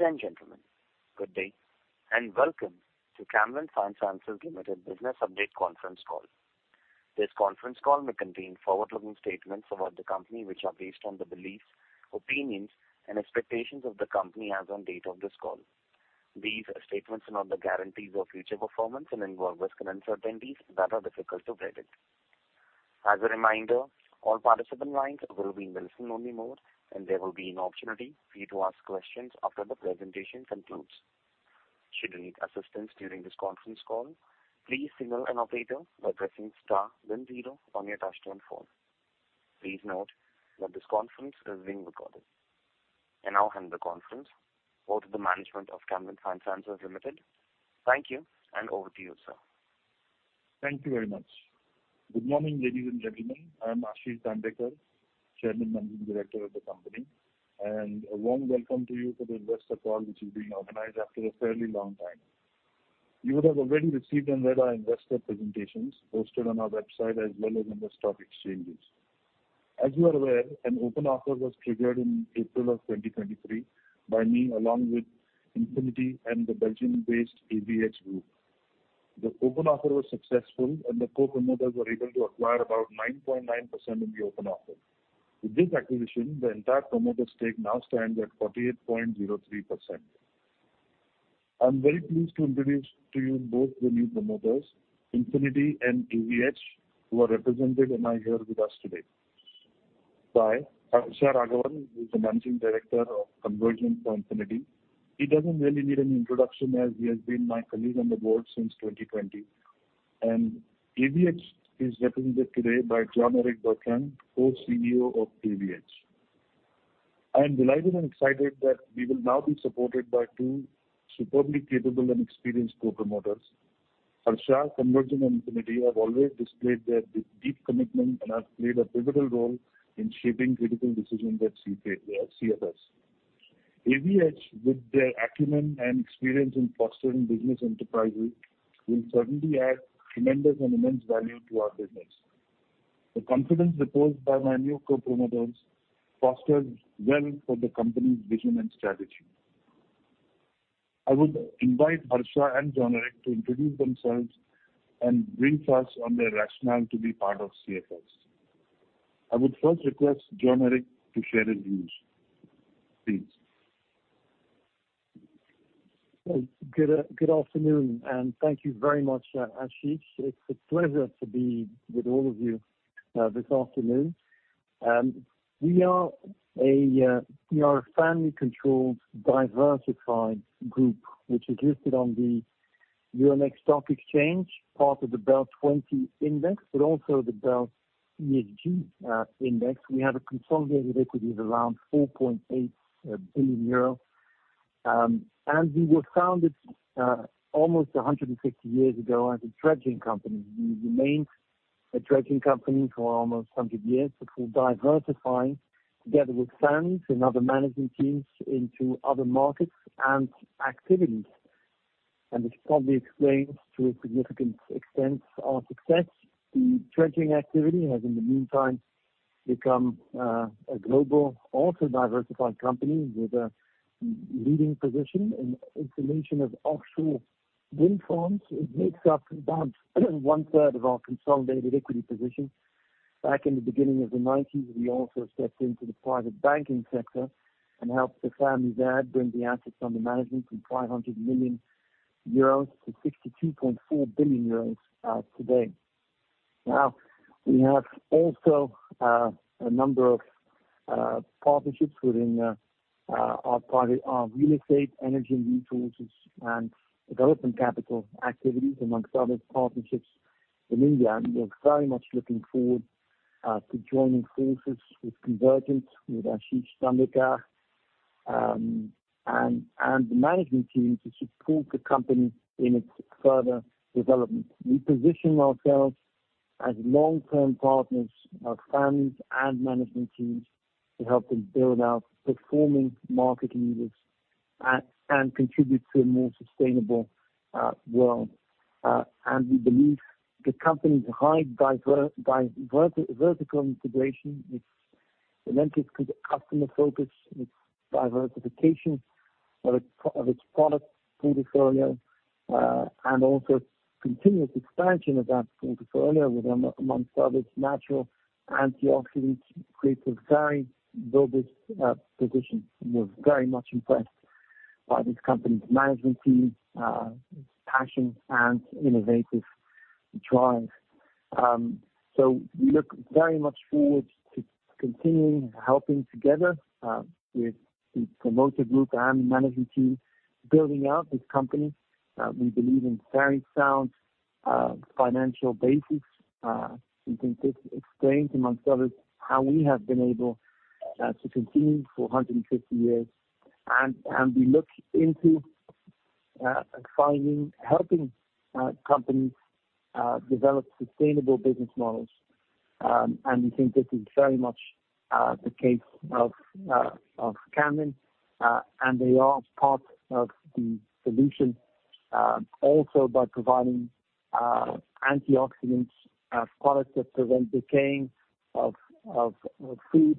Ladies and gentlemen, good day, and welcome to Camlin Fine Sciences Limited business update conference call. This conference call may contain forward-looking statements about the company, which are based on the beliefs, opinions, and expectations of the company as on date of this call. These statements are not the guarantees of future performance and involve risks and uncertainties that are difficult to predict. As a reminder, all participant lines will be in listen-only mode, and there will be an opportunity for you to ask questions after the presentation concludes. Should you need assistance during this conference call, please signal an operator by pressing star then zero on your touchtone phone. Please note that this conference is being recorded. I now hand the conference over to the management of Camlin Fine Sciences Limited. Thank you, and over to you, sir. Thank you very much. Good morning, ladies and gentlemen. I'm Ashish Dandekar, Chairman and Managing Director of the company, and a warm welcome to you for the investor call, which is being organized after a fairly long time. You would have already received and read our investor presentations posted on our website, as well as in the stock exchanges. As you are aware, an open offer was triggered in April of 2023 by me, along with Infinity and the Belgian-based AvH Group. The open offer was successful, and the co-promoters were able to acquire about 9.9% in the open offer. With this acquisition, the entire promoter stake now stands at 48.03%. I'm very pleased to introduce to you both the new promoters, Infinity and AvH, who are represented and are here with us today. By Harsha Raghavan, who is the Managing Director of Convergent for Infinity. He doesn't really need an introduction, as he has been my colleague on the board since 2020. AvH is represented today by John-Eric Bertrand, Co-CEO of AvH. I am delighted and excited that we will now be supported by two superbly capable and experienced co-promoters. Harsha, Convergent, and Infinity have always displayed their deep commitment and have played a pivotal role in shaping critical decisions at CFS, at CFS. AvH, with their acumen and experience in fostering business enterprises, will certainly add tremendous and immense value to our business. The confidence reposed by my new co-promoters fosters well for the company's vision and strategy. I would invite Harsha and John-Eric to introduce themselves and brief us on their rationale to be part of CFS. I would first request John-Eric to share his views, please. Well, good afternoon, and thank you very much, Ashish. It's a pleasure to be with all of you this afternoon. We are a family-controlled, diversified group which is listed on the Euronext stock exchange, part of the BEL 20 index, but also the BEL ESG index. We have a consolidated equity of around 4.8 billion euro. We were founded almost 150 years ago as a dredging company. We remained a dredging company for almost 100 years, but we're diversifying together with the family and other management teams into other markets and activities. And this probably explains, to a significant extent, our success. The dredging activity has, in the meantime, become a global, also diversified company with a leading position in installation of offshore wind farms. It makes up about 1/3 of our consolidated equity position. Back in the beginning of the 1990s, we also stepped into the private banking sector and helped the family there bring the assets under management from 500 million euros to 62.4 billion euros today. Now, we have also a number of partnerships within our private real estate, energy and resources, and development capital activities, among other partnerships in India. We are very much looking forward to joining forces with Convergent, with Ashish Dandekar, and the management team to support the company in its further development. We position ourselves as long-term partners of families and management teams to help them build out performing market leaders and contribute to a more sustainable world. And we believe the company's high vertical integration, its relentless customer focus, its diversification of its product portfolio, and also continuous expansion of that portfolio with, among others, natural antioxidants, creates a very robust position. We're very much impressed by this company's management team, its passion, and innovative drive. So we look very much forward to continuing helping together with the promoter group and management team, building out this company. We believe in very sound financial basis. We think this explains, amongst others, how we have been able to continue for 150 years. And we look into finding, helping companies develop sustainable business models. And we think this is very much the case of Camlin, and they are part of the solution.... also by providing antioxidants products that prevent decaying of food,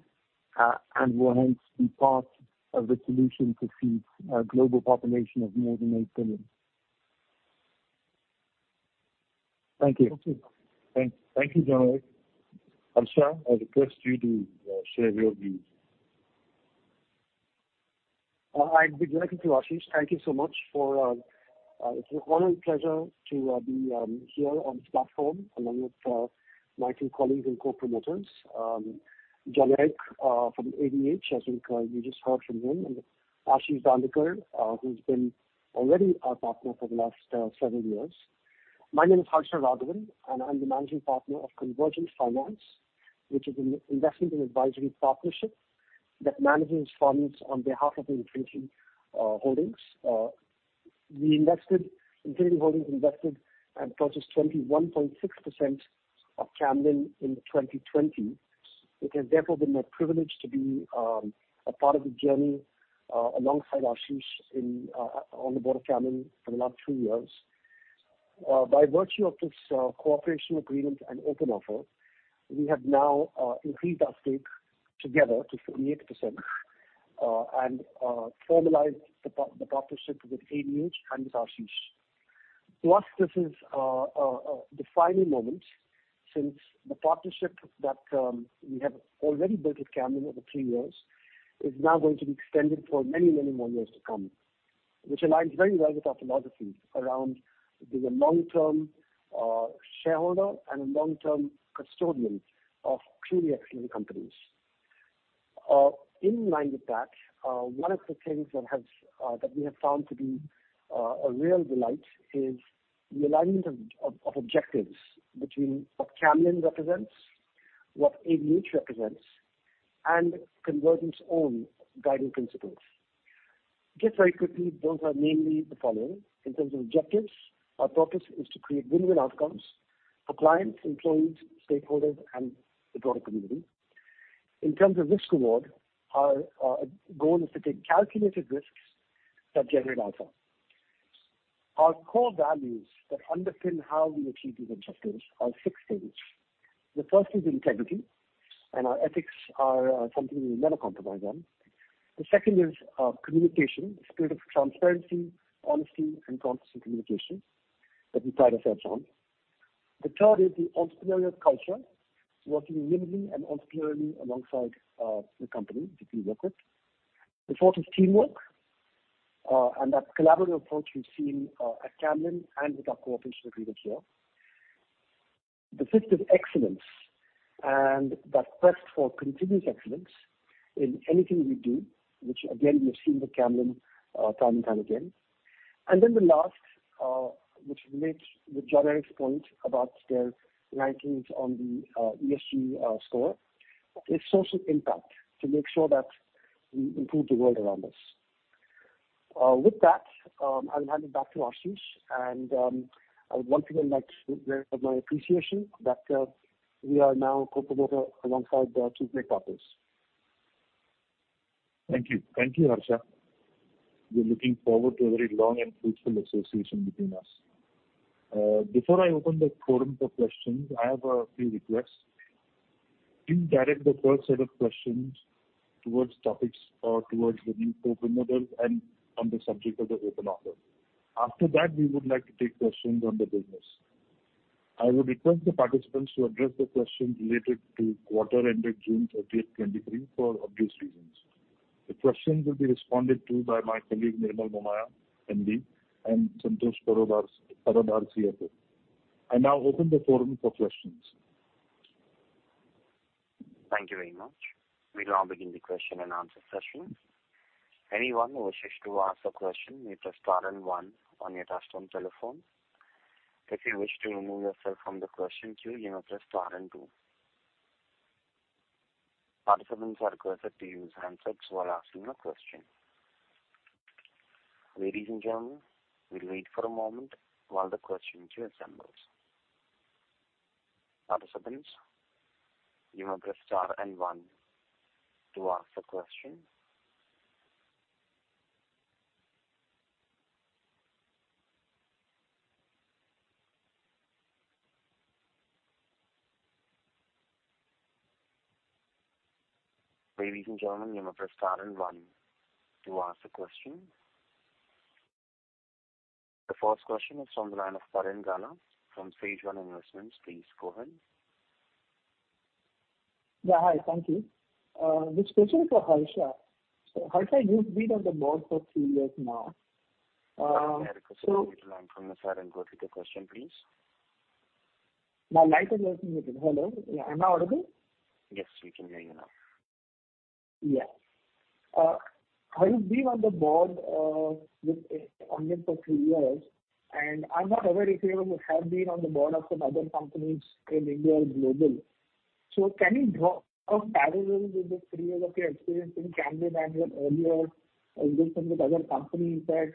and will hence be part of the solution to feed a global population of more than 8 billion. Thank you. Thank you, John-Eric. Harsha, I request you to share your views. I'd be delighted to, Ashish. Thank you so much for, it's an honor and pleasure to be here on this platform along with my two colleagues and co-promoters, John-Eric from AvH, as I think you just heard from him, and Ashish Dandekar, who's been already our partner for the last several years. My name is Harsha Raghavan, and I'm the managing partner of Convergent Finance, which is an investment and advisory partnership that manages funds on behalf of Infinity Holdings. We invested... Infinity Holdings invested and purchased 21.6% of Camlin in 2020. It has therefore been my privilege to be a part of the journey alongside Ashish on the Board of Camlin for the last two years. By virtue of this cooperation agreement and open offer, we have now increased our stake together to 58%, and formalized the partnership with AvH and with Ashish. For us, this is a defining moment since the partnership that we have already built at Camlin over three years is now going to be extended for many, many more years to come, which aligns very well with our philosophy around being a long-term shareholder and a long-term custodian of truly excellent companies. In line with that, one of the things that we have found to be a real delight is the alignment of objectives between what Camlin represents, what AvH represents, and Convergent's own guiding principles. Just very quickly, those are mainly the following: In terms of objectives, our purpose is to create win-win outcomes for clients, employees, stakeholders, and the broader community. In terms of risk reward, our goal is to take calculated risks that generate alpha. Our core values that underpin how we achieve these objectives are six things. The first is Integrity, and our ethics are something we never compromise on. The second is Communication, a spirit of transparency, honesty, and concise communication that we pride ourselves on. The third is the Entrepreneurial Culture, working nimbly and entrepreneurially alongside the company that we work with. The fourth is Teamwork, and that collaborative approach we've seen at Camlin and with our cooperation agreement here. The fifth is Excellence, and that quest for continuous excellence in anything we do, which again, we've seen with Camlin, time and time again. And then the last, which relates with John-Eric's point about their rankings on the, ESG, score, is Social Impact, to make sure that we improve the world around us. With that, I'll hand it back to Ashish, and, I would want to relate my appreciation that, we are now co-promoter alongside two great partners. Thank you. Thank you, Harsha. We're looking forward to a very long and fruitful association between us. Before I open the forum for questions, I have a few requests. Please direct the first set of questions towards topics or towards the new co-promoters and on the subject of the open offer. After that, we would like to take questions on the business. I would request the participants to address the questions related to quarter ended June 30th, 2023, for obvious reasons. The questions will be responded to by my colleague, Nirmal Momaya, MD, and Santosh Parab, CFO. I now open the forum for questions. Thank you very much. We now begin the question and answer session. Anyone who wishes to ask a question may press star and one on your touchtone telephone. If you wish to remove yourself from the question queue, you may press star and two. Participants are requested to use handsets while asking a question. Ladies and gentlemen, we'll wait for a moment while the question queue assembles. Participants, you may press star and one to ask a question. Ladies and gentlemen, you may press star and one to ask a question. The first question is from the line of Parin Gala from SageOne Investments. Please go ahead. Yeah. Hi, thank you. This question is for Harsha. So Harsha, you've been on the Board for three years now, so- I request you to unmute your line from your side and go ahead with your question, please. My line is open. Hello, am I audible? Yes, we can hear you now. Yeah. Harsha, you've been on the Board with Camlin for three years, and I'm not aware if you have been on the board of some other companies in India or global. So can you draw a parallel with the three years of your experience in Camlin and your earlier engagement with other companies that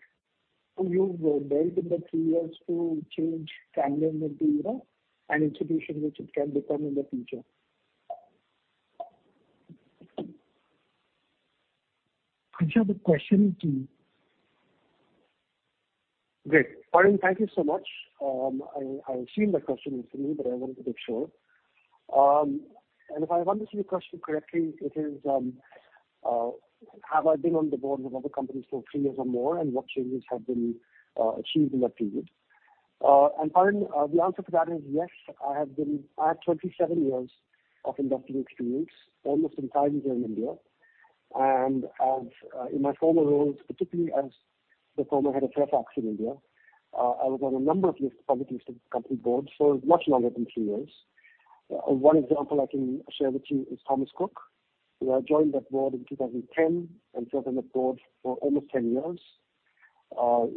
you've built in the three years to change Camlin into, you know, an institution which it can become in the future? Could you have the question to? Great. Parin, thank you so much. I, I've seen the question recently, but I wanted to make sure. And if I understand the question correctly, it is, have I been on the boards of other companies for three years or more, and what changes have been achieved in that period? And pardon, the answer to that is yes, I have 27 years of industrial experience, almost entirely here in India. And as in my former roles, particularly as the former head of Fairfax in India, I was on a number of listed, public listed company boards for much longer than three years. One example I can share with you is Thomas Cook, where I joined that Board in 2010 and served on that Board for almost 10 years.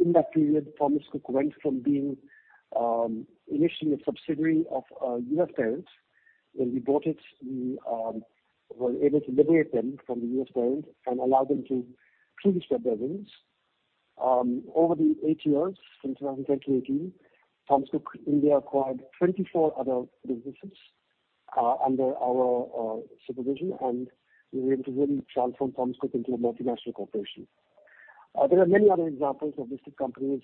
In that period, Thomas Cook went from being initially a subsidiary of a U.S. parent. When we bought it, we were able to liberate them from the U.S. parent and allow them to truly spread their wings. Over the 8 years, from 2018, Thomas Cook India acquired 24 other businesses under our supervision, and we were able to really transform Thomas Cook into a multinational corporation. There are many other examples of listed companies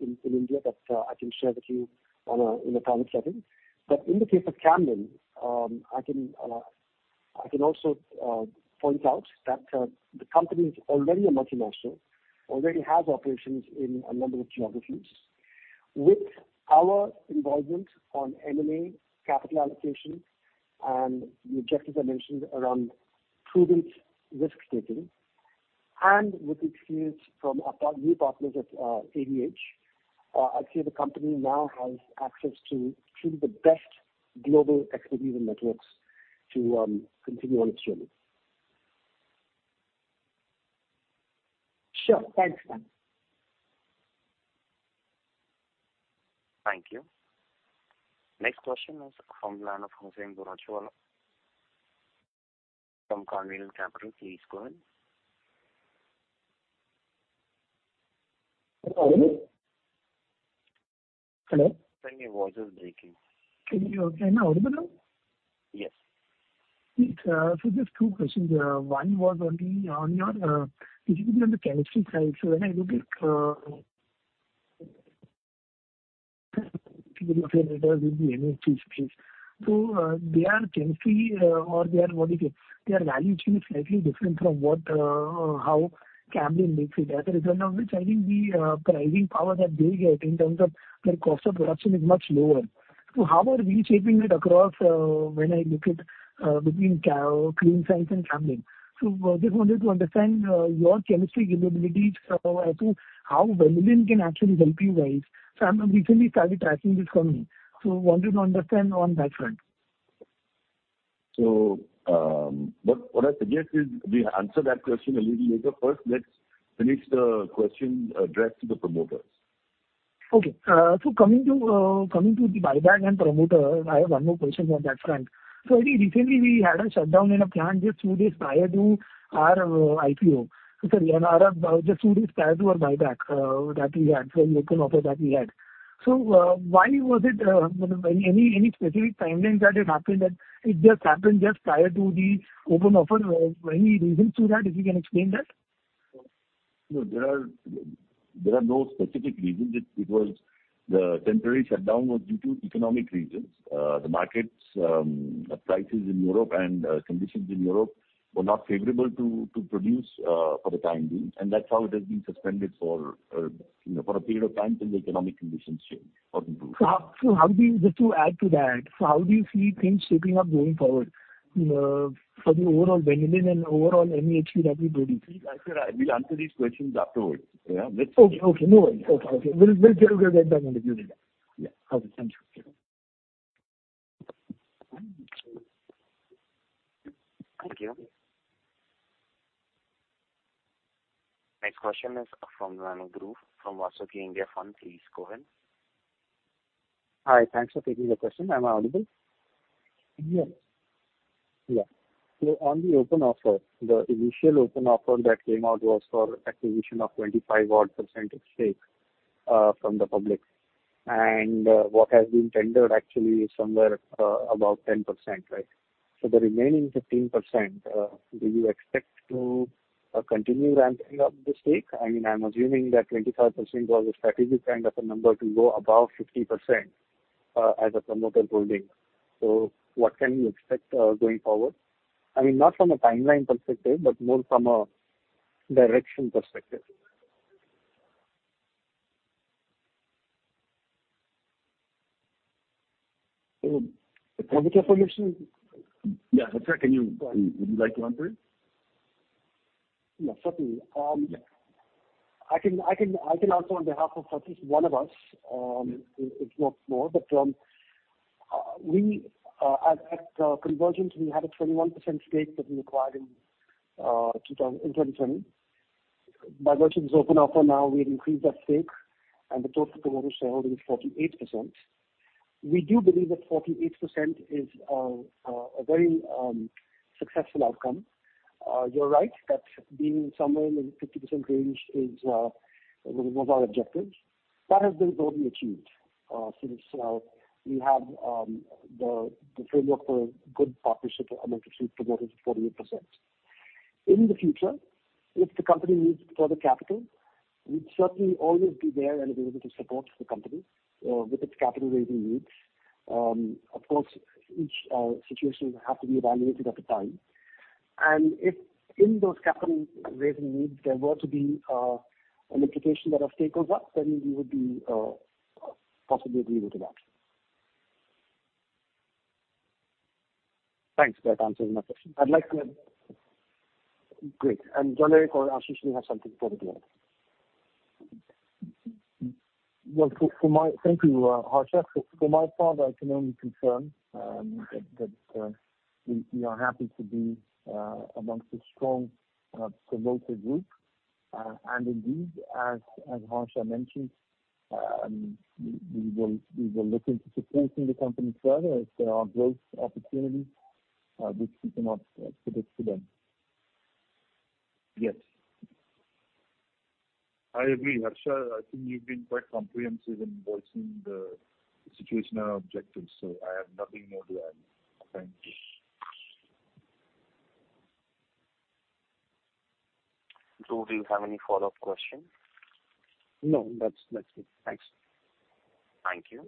in India that I can share with you in a private setting. But in the case of Camlin, I can also point out that the company is already a multinational, already has operations in a number of geographies. With our involvement on M&A, capital allocation, and the objectives I mentioned around prudent risk-taking, and with experience from our new partners at AvH, I'd say the company now has access to some of the best global expertise and networks to continue on its journey. Sure. Thanks. Thank you. Next question is from the line of Huseain Bharuchwala from Carnelian Capital. Please go ahead. Hello? Hello. Sorry, your voice is breaking. Can you...? Am I audible now? Yes. Great. So just two questions. One was on your specifically on the chemistry side. So when I look at, so, their chemistry or they are, what do you say? Their value stream is slightly different from what, how Camlin makes it. As a result of which, I think the pricing power that they get in terms of their cost of production is much lower. So how are we shaping it across, when I look at, between Clean Science and Camlin? So just wanted to understand your chemistry capabilities, as to how vanillin can actually help you guys. So I'm recently started tracking this company, so wanted to understand on that front. What I suggest is we answer that question a little later. First, let's finish the question addressed to the promoters. Okay. So coming to the buyback and promoter, I have one more question on that front. So I think recently we had a shutdown in a plant just two days prior to our IPO. Sorry, our just two days prior to our buyback, that we had, the open offer that we had. So, why was it any specific timeline that it happened, that it just happened just prior to the open offer? Any reason to that, if you can explain that? No, there are no specific reasons. It was the temporary shutdown was due to economic reasons. The markets, the prices in Europe and conditions in Europe were not favorable to produce for the time being, and that's how it has been suspended for, you know, for a period of time until the economic conditions change or improve. Just to add to that, so how do you see things shaping up going forward, for the overall vanillin and overall MEHQ that we build? Please, I said I will answer these questions afterwards. Yeah, let's- Okay, okay. No worries. Okay, okay. We'll, we'll get back on it. Yeah. Okay, thank you. Thank you. Next question is from the line of Dhruv from Vasuki India Fund. Please go ahead. Hi, thanks for taking the question. Am I audible? Yes. Yeah. So on the open offer, the initial open offer that came out was for acquisition of 25-odd percentage stake from the public. And what has been tendered actually is somewhere about 10%, right? So the remaining 15%, do you expect to continue ramping up the stake? I mean, I'm assuming that 25% was a strategic kind of a number to go above 50% as a promoter holding. So what can we expect going forward? I mean, not from a timeline perspective, but more from a direction perspective. So the public information? Yeah, Harsha, can you... Would you like to answer it? Yeah, certainly. I can answer on behalf of at least one of us, if not more. But we at Convergent had a 21% stake that we acquired in 2010. By virtue of this open offer now, we've increased that stake, and the total promoter shareholding is 48%. We do believe that 48% is a very successful outcome. You're right, that being somewhere in the 50% range is one of our objectives. That has been broadly achieved, since we have the framework for a good partnership amongst promoters 48%. In the future, if the company needs further capital, we'd certainly always be there and available to support the company with its capital raising needs. Of course, each situation will have to be evaluated at the time. And if in those capital raising needs there were to be an implication that of stake hold-up, then we would be possibly able to that. Thanks. That answers my question. I'd like to-- Great! And John-Eric or Ashish, do you have something to add? Well, thank you, Harsha. For my part, I can only confirm that we are happy to be among the strong promoter group. And indeed, as Harsha mentioned, we will look into supporting the company further if there are growth opportunities which we cannot predict for them. Yes. I agree, Harsha. I think you've been quite comprehensive in voicing the situational objectives, so I have nothing more to add. Thank you. So do you have any follow-up questions? No, that's, that's it. Thanks. Thank you.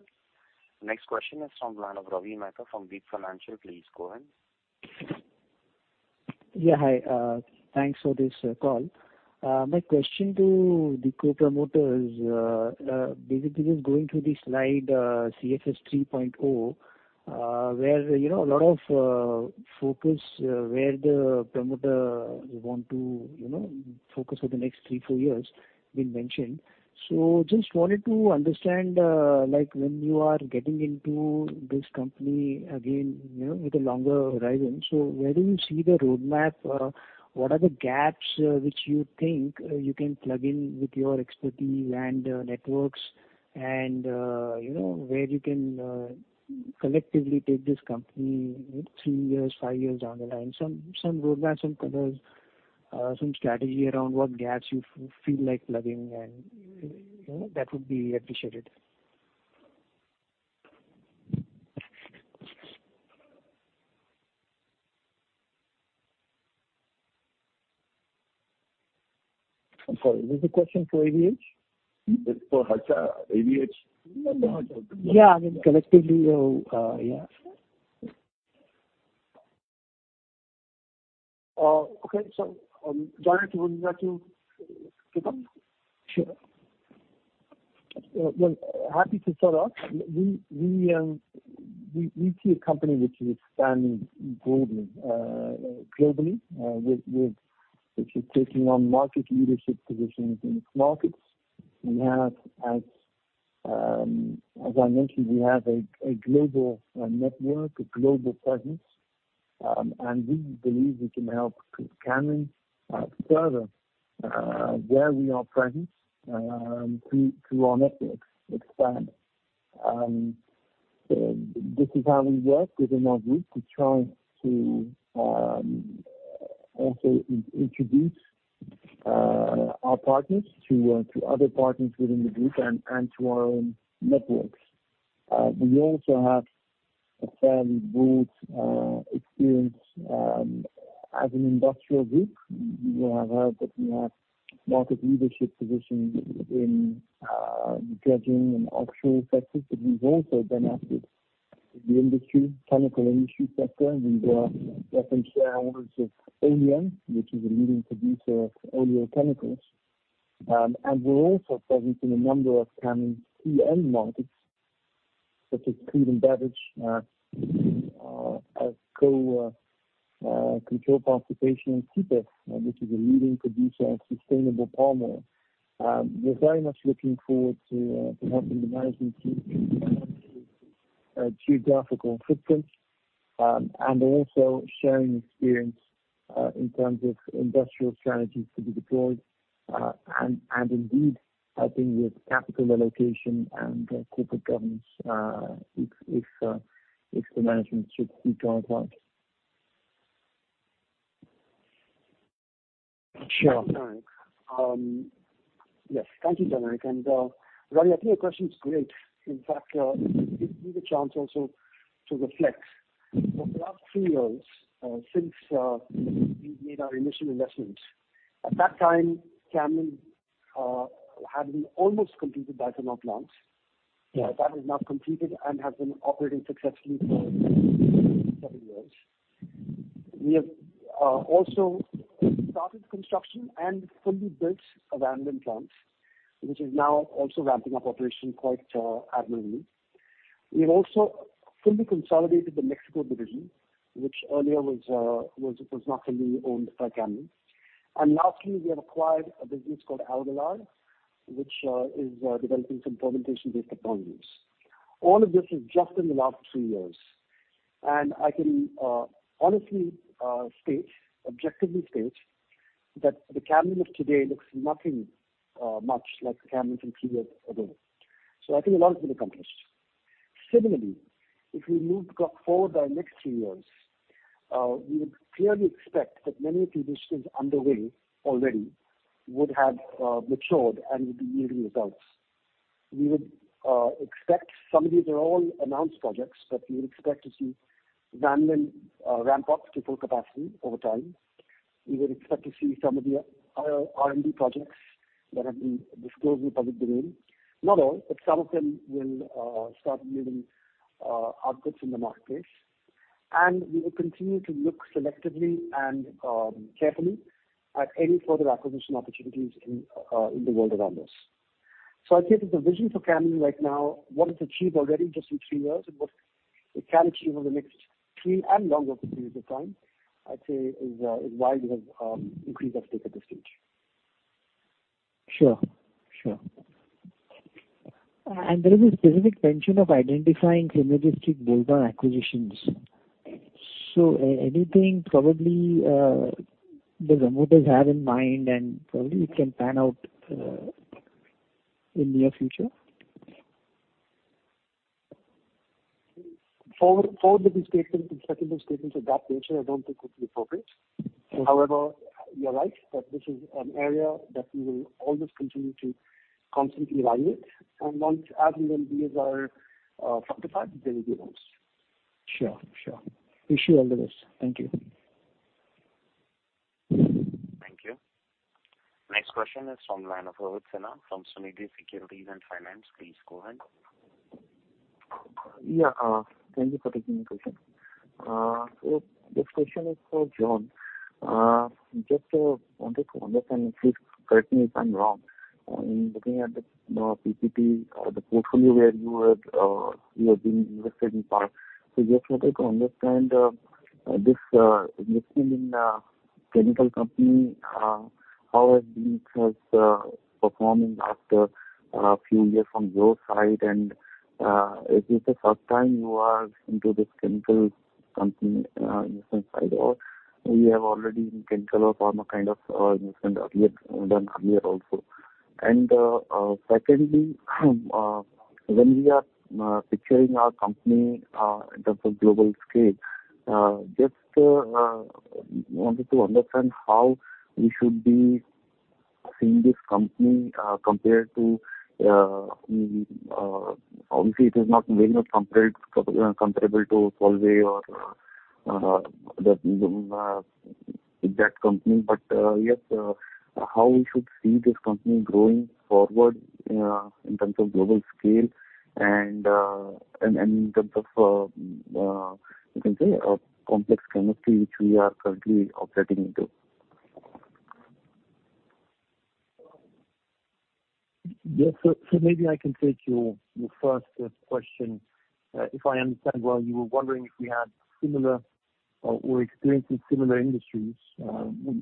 Next question is from the line of Ravi Mehta from Deep Financial. Please go ahead. Yeah, hi. Thanks for this call. My question to the co-promoters, basically just going through the slide, CFS 3.0, where, you know, a lot of focus, where the promoter want to, you know, focus for the next three, four years been mentioned. So just wanted to understand, like when you are getting into this company again, you know, with a longer horizon, so where do you see the roadmap? What are the gaps, which you think, you can plug in with your expertise and networks? And, you know, where you can collectively take this company in three years, five years down the line. Some roadmap, some colors, some strategy around what gaps you feel like plugging in, you know, that would be appreciated. I'm sorry, is this a question for AvH? It's for Harsha, AvH. Yeah, I mean, collectively, yeah. Okay. So, John-Eric, would you like to kick off? Sure. Well, happy to start off. We see a company which is expanding boldly, globally, with—which is taking on market leadership positions in its markets. As I mentioned, we have a global network, a global presence, and we believe we can help Camlin further, where we are present, through our networks expand. This is how we work within our group to try to also introduce our partners to other partners within the group and to our own networks. We also have a fairly broad experience as an industrial group. You have heard that we have market leadership position in dredging and offshore sectors, but we've also been active in the industry, chemical industry sector. We are reference shareholders of Oleon, which is a leading producer of oleochemicals. And we're also present in a number of Camlin's key end markets, such as food and beverage, as co-control participation in SIPEF, which is a leading producer of sustainable palm oil. We're very much looking forward to helping the management team geographical footprint, and also sharing experience in terms of industrial strategies to be deployed, and indeed helping with capital allocation and corporate governance, if the management should require that. Sure. Yes, thank you, John-Eric. Ravi, I think your question is great. In fact, it's give a chance also to reflect. For the last three years, since we made our initial investment, at that time, Camlin had almost completed Phase 1 of launch. That is now completed and has been operating successfully for several years. We have also started construction and fully built vanillin plants, which is now also ramping up operation quite admirably. We have also fully consolidated the Mexico division, which earlier was not fully owned by Camlin. And lastly, we have acquired a business called AlgalR, which is developing some fermentation-based compounds. All of this is just in the last two years. I can honestly state, objectively state, that the Camlin of today looks nothing much like the Camlin from three years ago. So I think a lot has been accomplished. Similarly, if we move forward by next three years, we would clearly expect that many of the initiatives underway already would have matured and would be yielding results. We would expect some of these are all announced projects, but we would expect to see vanillin ramp up to full capacity over time. We would expect to see some of the R&D projects that have been disclosed in the public domain. Not all, but some of them will start yielding outputs in the marketplace. And we will continue to look selectively and carefully at any further acquisition opportunities in the world around us. I'd say that the vision for Camlin right now, what it's achieved already just in three years, and what it can achieve over the next three and longer periods of time, I'd say is why we have increased our stake at this stage. Sure. Sure. And there is a specific mention of identifying synergistic build-on acquisitions. So anything probably the promoters have in mind and probably it can pan out in near future? For the statement, speculative statements of that nature, I don't think it would be appropriate. However, you're right, that this is an area that we will always continue to constantly evaluate. And once as and when these are fortified, then we give out. Sure. Sure. Wish you all the best. Thank you. Thank you. Next question is from the line of Rohit Sinha, from Sunidhi Securities and Finance. Please go ahead. Yeah, thank you for taking the question. So this question is for John. Just wanted to understand, if correct me if I'm wrong, in looking at the PPT or the portfolio where you were, you have been invested in part. So just wanted to understand, this investment in chemical company, how has been performing after a few years from your side? And, is this the first time you are into this chemical company investment side, or you have already in chemical or pharma kind of investment earlier, done earlier also? Secondly, when we are picturing our company in terms of global scale, just wanted to understand how we should be seeing this company compared to, obviously it is not very much comparable to Solvay or that company. But yes, how we should see this company growing forward in terms of global scale and in terms of, you can say, complex chemistry, which we are currently operating into? Yes. So maybe I can take your first question. If I understand well, you were wondering if we had similar or experiencing similar industries.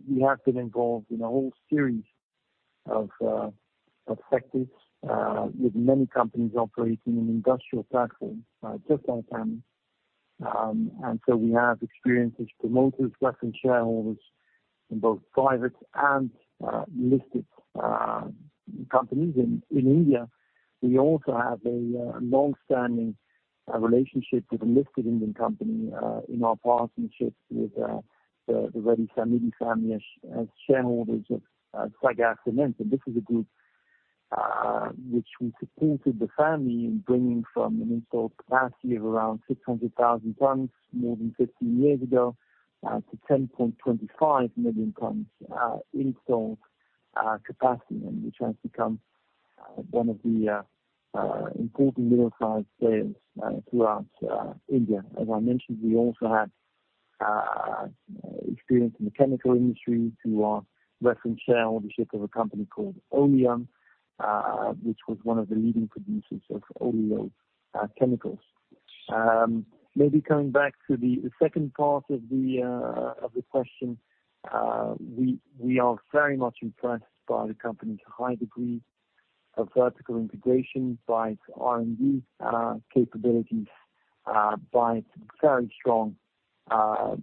We have been involved in a whole series of sectors with many companies operating in industrial platforms just like ours. And so we have experience as promoters, reference shareholders in both private and listed companies in India. We also have a longstanding relationship with a listed Indian company in our partnerships with the Reddy family as shareholders of Sagar Cements. This is a group which we supported the family in bringing from an installed capacity of around 600,000 tons more than 15 years ago to 10.25 million tons installed capacity, and which has become one of the important middle-sized players throughout India. As I mentioned, we also have experience in the chemical industry through our reference share ownership of a company called Oleon, which was one of the leading producers of oleochemicals. Maybe coming back to the second part of the question. We are very much impressed by the company's high degree of vertical integration, by its R&D capabilities, by its very strong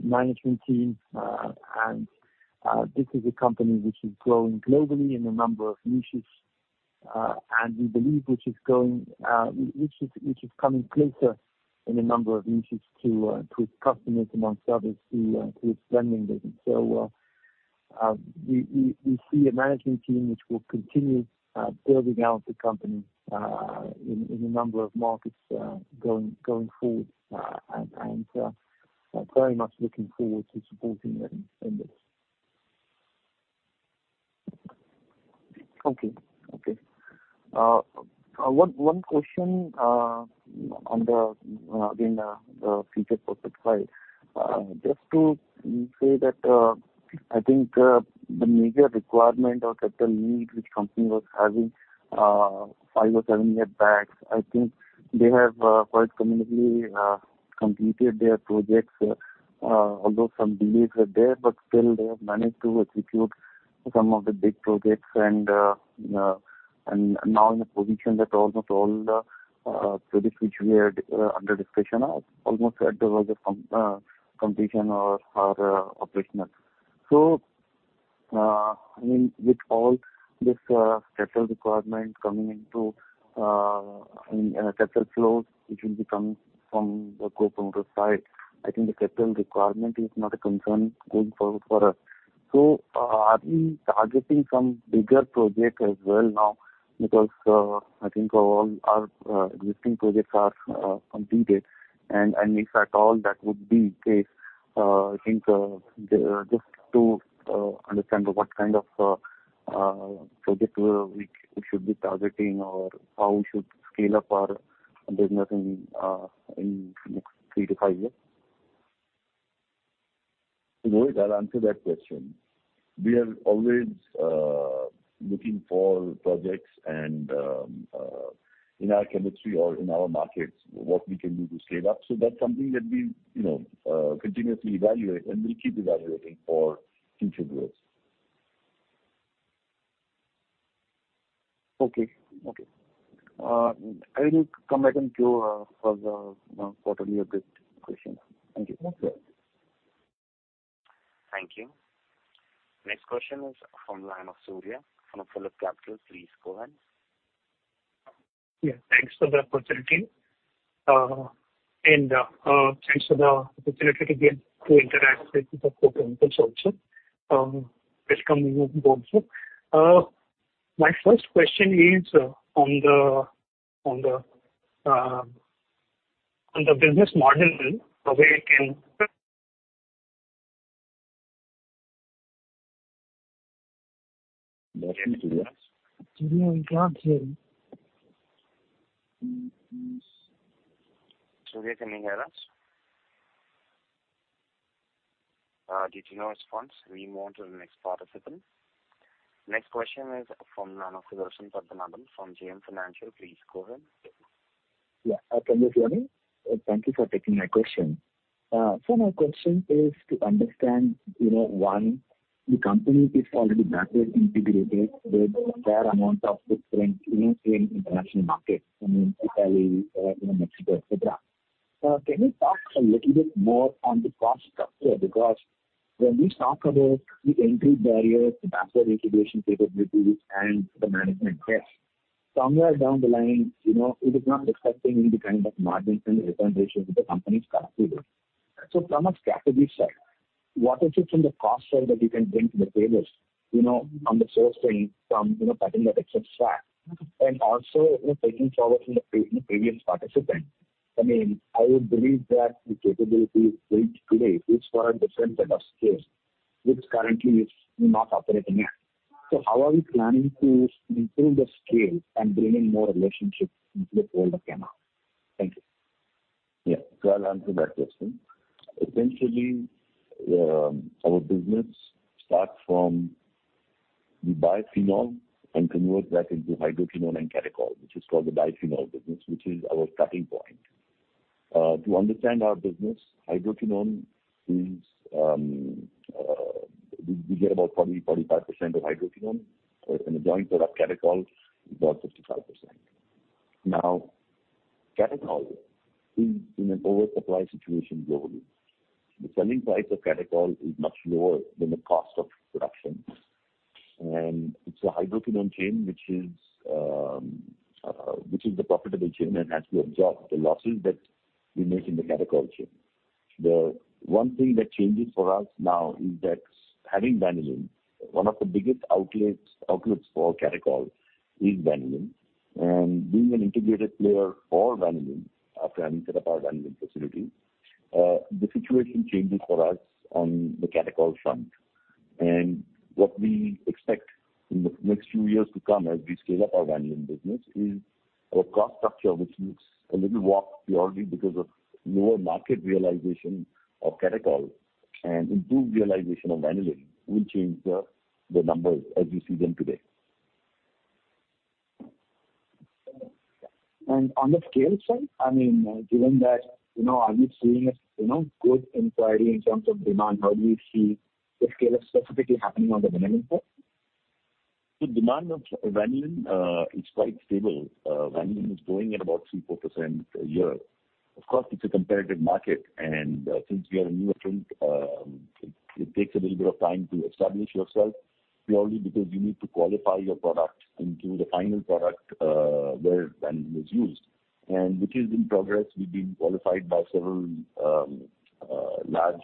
management team. This is a company which is growing globally in a number of niches, and we believe which is coming closer in a number of niches to its customers, among others, to expanding business. So we see a management team which will continue building out the company in a number of markets going forward, and very much looking forward to supporting them in this. Okay. Okay. One question on the again the future prospect side. Just to say that I think the major requirement or capital need, which company was having five or seven years back, I think they have quite commendably completed their projects. Although some delays were there, but still they have managed to execute some of the big projects and now in a position that almost all the projects which we had under discussion are almost at the completion or are operational. So, I mean, with all this capital requirement coming into in capital flows, which will be coming from the co-promoter side, I think the capital requirement is not a concern going forward for us. So, are we targeting some bigger project as well now? Because I think all our existing projects are completed. If at all that would be the case, I think just to understand what kind of project we should be targeting or how we should scale up our business in the next three to five years. Rohit, I'll answer that question. We are always looking for projects and, in our chemistry or in our markets, what we can do to scale up. So that's something that we, you know, continuously evaluate, and we'll keep evaluating for future growth. Okay. Okay. I will come back and to you for the quarterly update question. Thank you. Okay. Thank you. Next question is from the line of Surya from PhillipCapital. Please go ahead. Yeah, thanks for the opportunity. Thanks for the opportunity to get to interact with the co-promoters also. Welcome you both too. My first question is on the business model, how we can- We can't hear you. We can't hear you. Surya, can you hear us? Due to no response, we move on to the next participant. Next question is from Sudarshan Padmanabhan from JM Financial. Please go ahead. Yeah. Can you hear me? Thank you for taking my question. So my question is to understand, you know, one, the company is already backward integrated with fair amount of different, you know, international markets, I mean, Italy, you know, Mexico, et cetera. Can you talk a little bit more on the cost structure? Because when we talk about the entry barriers, the backward integration capabilities and the management risk, somewhere down the line, you know, it is not reflecting in the kind of margins and return ratios that the company is currently doing. So from a category side, what is it from the cost side that you can bring to the tables, you know, on the sourcing from, you know, cutting that excess fat? Also, you know, taking forward from the previous participant, I mean, I would believe that the capability is built today is for a different set of skills, which currently is not operating yet. So how are you planning to improve the scale and bring in more relationships into the fold of Camlin? Thank you. Yeah, so I'll answer that question. Essentially, our business starts from, we buy phenol and convert that into hydroquinone and catechol, which is called the diphenol business, which is our cutting point. To understand our business, hydroquinone is, we get about 40%-45% of hydroquinone, and a joint product, catechol, about 55%. Now, catechol is in an oversupply situation globally. The selling price of catechol is much lower than the cost of production, and it's a hydroquinone chain, which is the profitable chain and has to absorb the losses that we make in the catechol chain. The one thing that changes for us now is that having vanillin, one of the biggest outlets for catechol is vanillin. Being an integrated player for vanillin, after having set up our vanillin facility, the situation changes for us on the catechol front. What we expect in the next few years to come as we scale up our vanillin business is our cost structure, which looks a little warped purely because of lower market realization of catechol and improved realization of vanillin, will change the numbers as you see them today. On the scale side, I mean, given that, you know, are you seeing a, you know, good inquiry in terms of demand? How do you see the scale specifically happening on the vanillin front? The demand of vanillin is quite stable. Vanillin is growing at about 3%-4% a year. Of course, it's a competitive market, and since we are a new entrant, it takes a little bit of time to establish yourself purely because you need to qualify your product into the final product, where vanillin is used. Which is in progress. We've been qualified by several large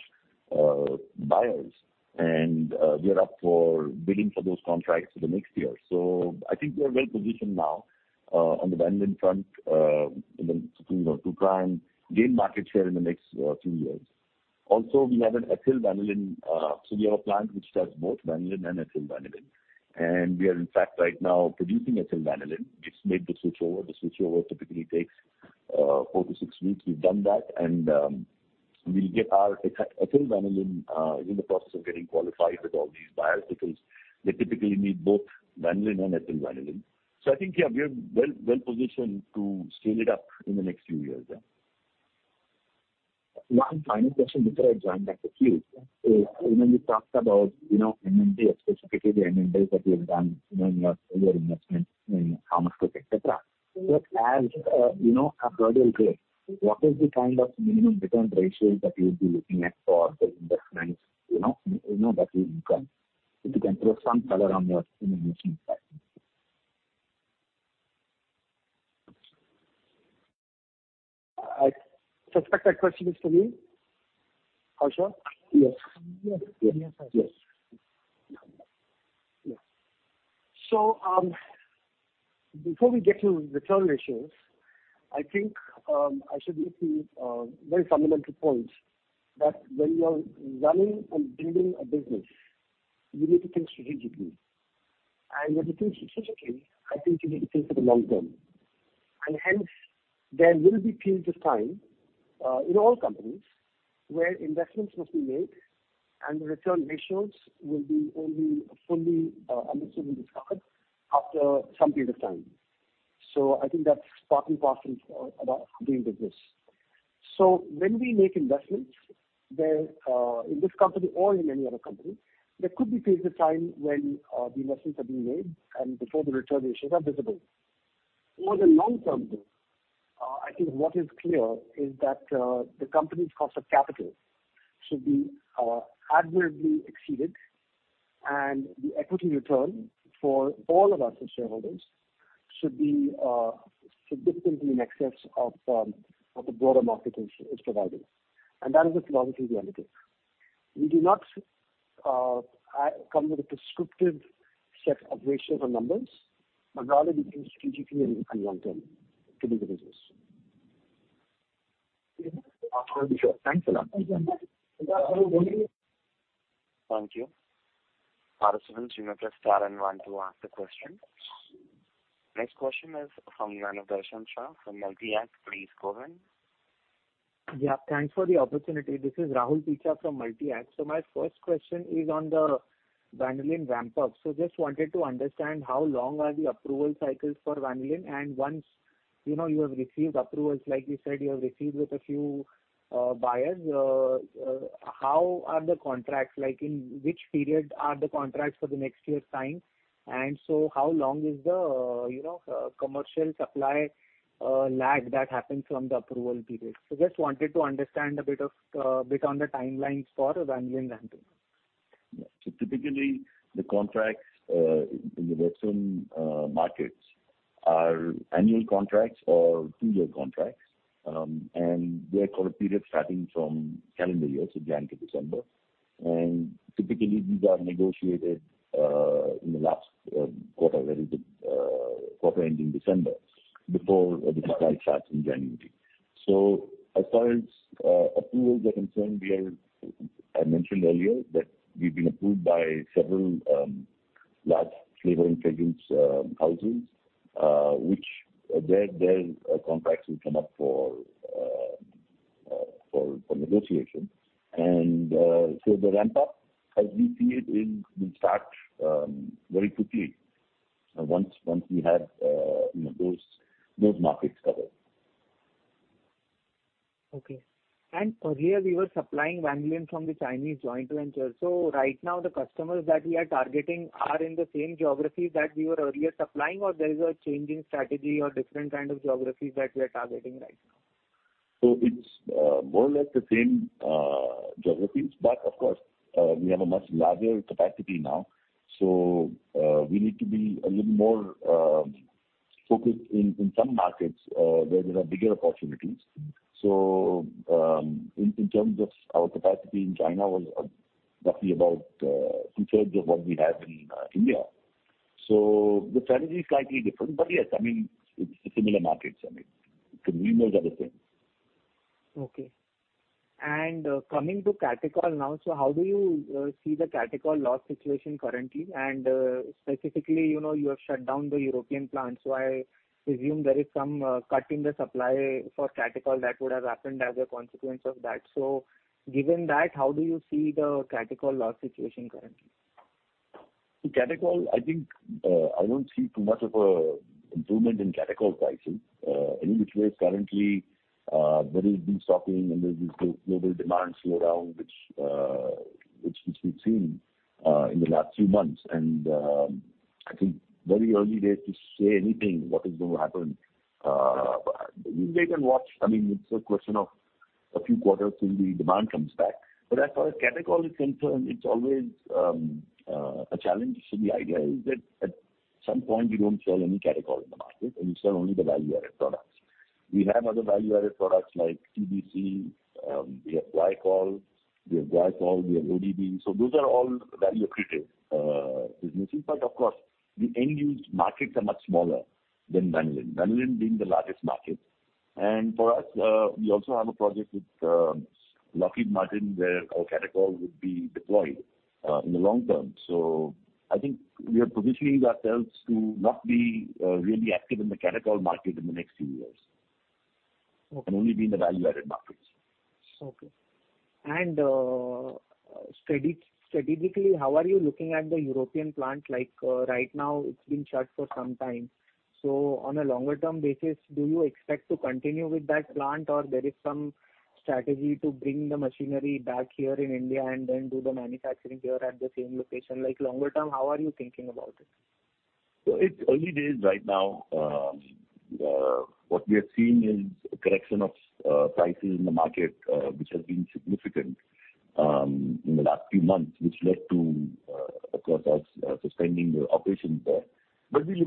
buyers, and we are up for bidding for those contracts for the next year. So I think we are well positioned now on the vanillin front to you know to try and gain market share in the next few years. Also, we have an ethyl vanillin, so we have a plant which does both vanillin and ethyl vanillin, and we are in fact right now producing ethyl vanillin. We've made the switchover. The switchover typically takes four to six weeks. We've done that, and we'll get our ethyl vanillin, ethyl vanillin is in the process of getting qualified with all these buyers because they typically need both vanillin and ethyl vanillin. So I think, yeah, we are well, well-positioned to scale it up in the next few years, yeah. One final question before I join back the queue. So when you talked about, you know, M&A, specifically the M&A that you have done in your, your investment in pharmaceuticals, et cetera. But as, you know, a gradual play, what is the kind of minimum return ratios that you would be looking at for the investments, you know, you know, that you incur? If you can throw some color on your investment side.... I suspect that question is to me, Harsha? Yes. Yes, yes. So, before we get to the return ratios, I think, I should make the, very fundamental point that when you are running and building a business, you need to think strategically. And when you think strategically, I think you need to think for the long term. And hence, there will be periods of time, in all companies, where investments must be made, and the return ratios will be only fully, understood and discovered after some period of time. So I think that's part and parcel about doing business. So when we make investments, there, in this company or in any other company, there could be periods of time when, the investments are being made and before the return ratios are visible. Over the long term, though, I think what is clear is that the company's cost of capital should be admirably exceeded, and the equity return for all of us as shareholders should be significantly in excess of the broader market is providing. That is a logical reality. We do not come with a prescriptive set of ratios or numbers, but rather we think strategically and long term to build the business. Thanks a lot. Thank you. Operator, do you want to ask the question? Next question is from Darshan Shah from Multi-Act. Please go ahead. Yeah, thanks for the opportunity. This is Rahul Picha from Multi-Act. So my first question is on the vanillin ramp-up. So just wanted to understand how long are the approval cycles for vanillin, and once, you know, you have received approvals, like you said, you have received with a few buyers, how are the contracts like in which period are the contracts for the next year signed? And so how long is the, you know, commercial supply lag that happens from the approval period? So just wanted to understand a bit on the timelines for vanillin ramp-up. Yeah. So typically, the contracts in the western markets are annual contracts or two-year contracts, and they're for a period starting from calendar year, so January to December. And typically, these are negotiated in the last quarter, the quarter ending December, before the supply starts in January. So as far as approvals are concerned, we are. I mentioned earlier that we've been approved by several large flavor ingredients houses, which their contracts will come up for negotiation. And so the ramp-up, as we see it, will start very quickly once we have those markets covered. Okay. And earlier, we were supplying vanillin from the Chinese joint venture. So right now, the customers that we are targeting are in the same geographies that we were earlier supplying, or there is a change in strategy or different kind of geographies that we are targeting right now? So it's more or less the same geographies, but of course we have a much larger capacity now. So we need to be a little more focused in some markets where there are bigger opportunities. So in terms of our capacity in China was roughly about two-thirds of what we have in India. So the strategy is slightly different, but yes, I mean, it's similar markets. I mean, the renewals are the same. Okay. And coming to catechol now, so how do you see the catechol loss situation currently? And, specifically, you know, you have shut down the European plant, so I assume there is some cut in the supply for catechol that would have happened as a consequence of that. So given that, how do you see the catechol loss situation currently? So catechol, I think, I don't see too much of a improvement in catechol prices. In which way it's currently, there has been stopping and there's this global demand slowdown, which, which we've seen, in the last few months. And, I think very early days to say anything, what is going to happen. We wait and watch. I mean, it's a question of a few quarters till the demand comes back. But as far as catechol is concerned, it's always, a challenge. So the idea is that at some point, we don't sell any catechol in the market, and we sell only the value-added products. We have other value-added products like TBC, we have guaiacol, we have guethol, we have ODEB. So those are all value-accretive, businesses. But of course, the end-use markets are much smaller than vanillin. Vanillin being the largest market. For us, we also have a project with Lockheed Martin, where our catechol would be deployed in the long term. I think we are positioning ourselves to not be really active in the catechol market in the next few years. Okay. Only be in the value-added markets. Okay. And, strategically, how are you looking at the European plant? Like, right now, it's been shut for some time. So on a longer term basis, do you expect to continue with that plant, or there is some strategy to bring the machinery back here in India and then do the manufacturing here at the same location? Like, longer term, how are you thinking about it? It's early days right now. What we are seeing is a correction of prices in the market, which has been significant in the last few months, which led to, of course, us suspending the operations there. We will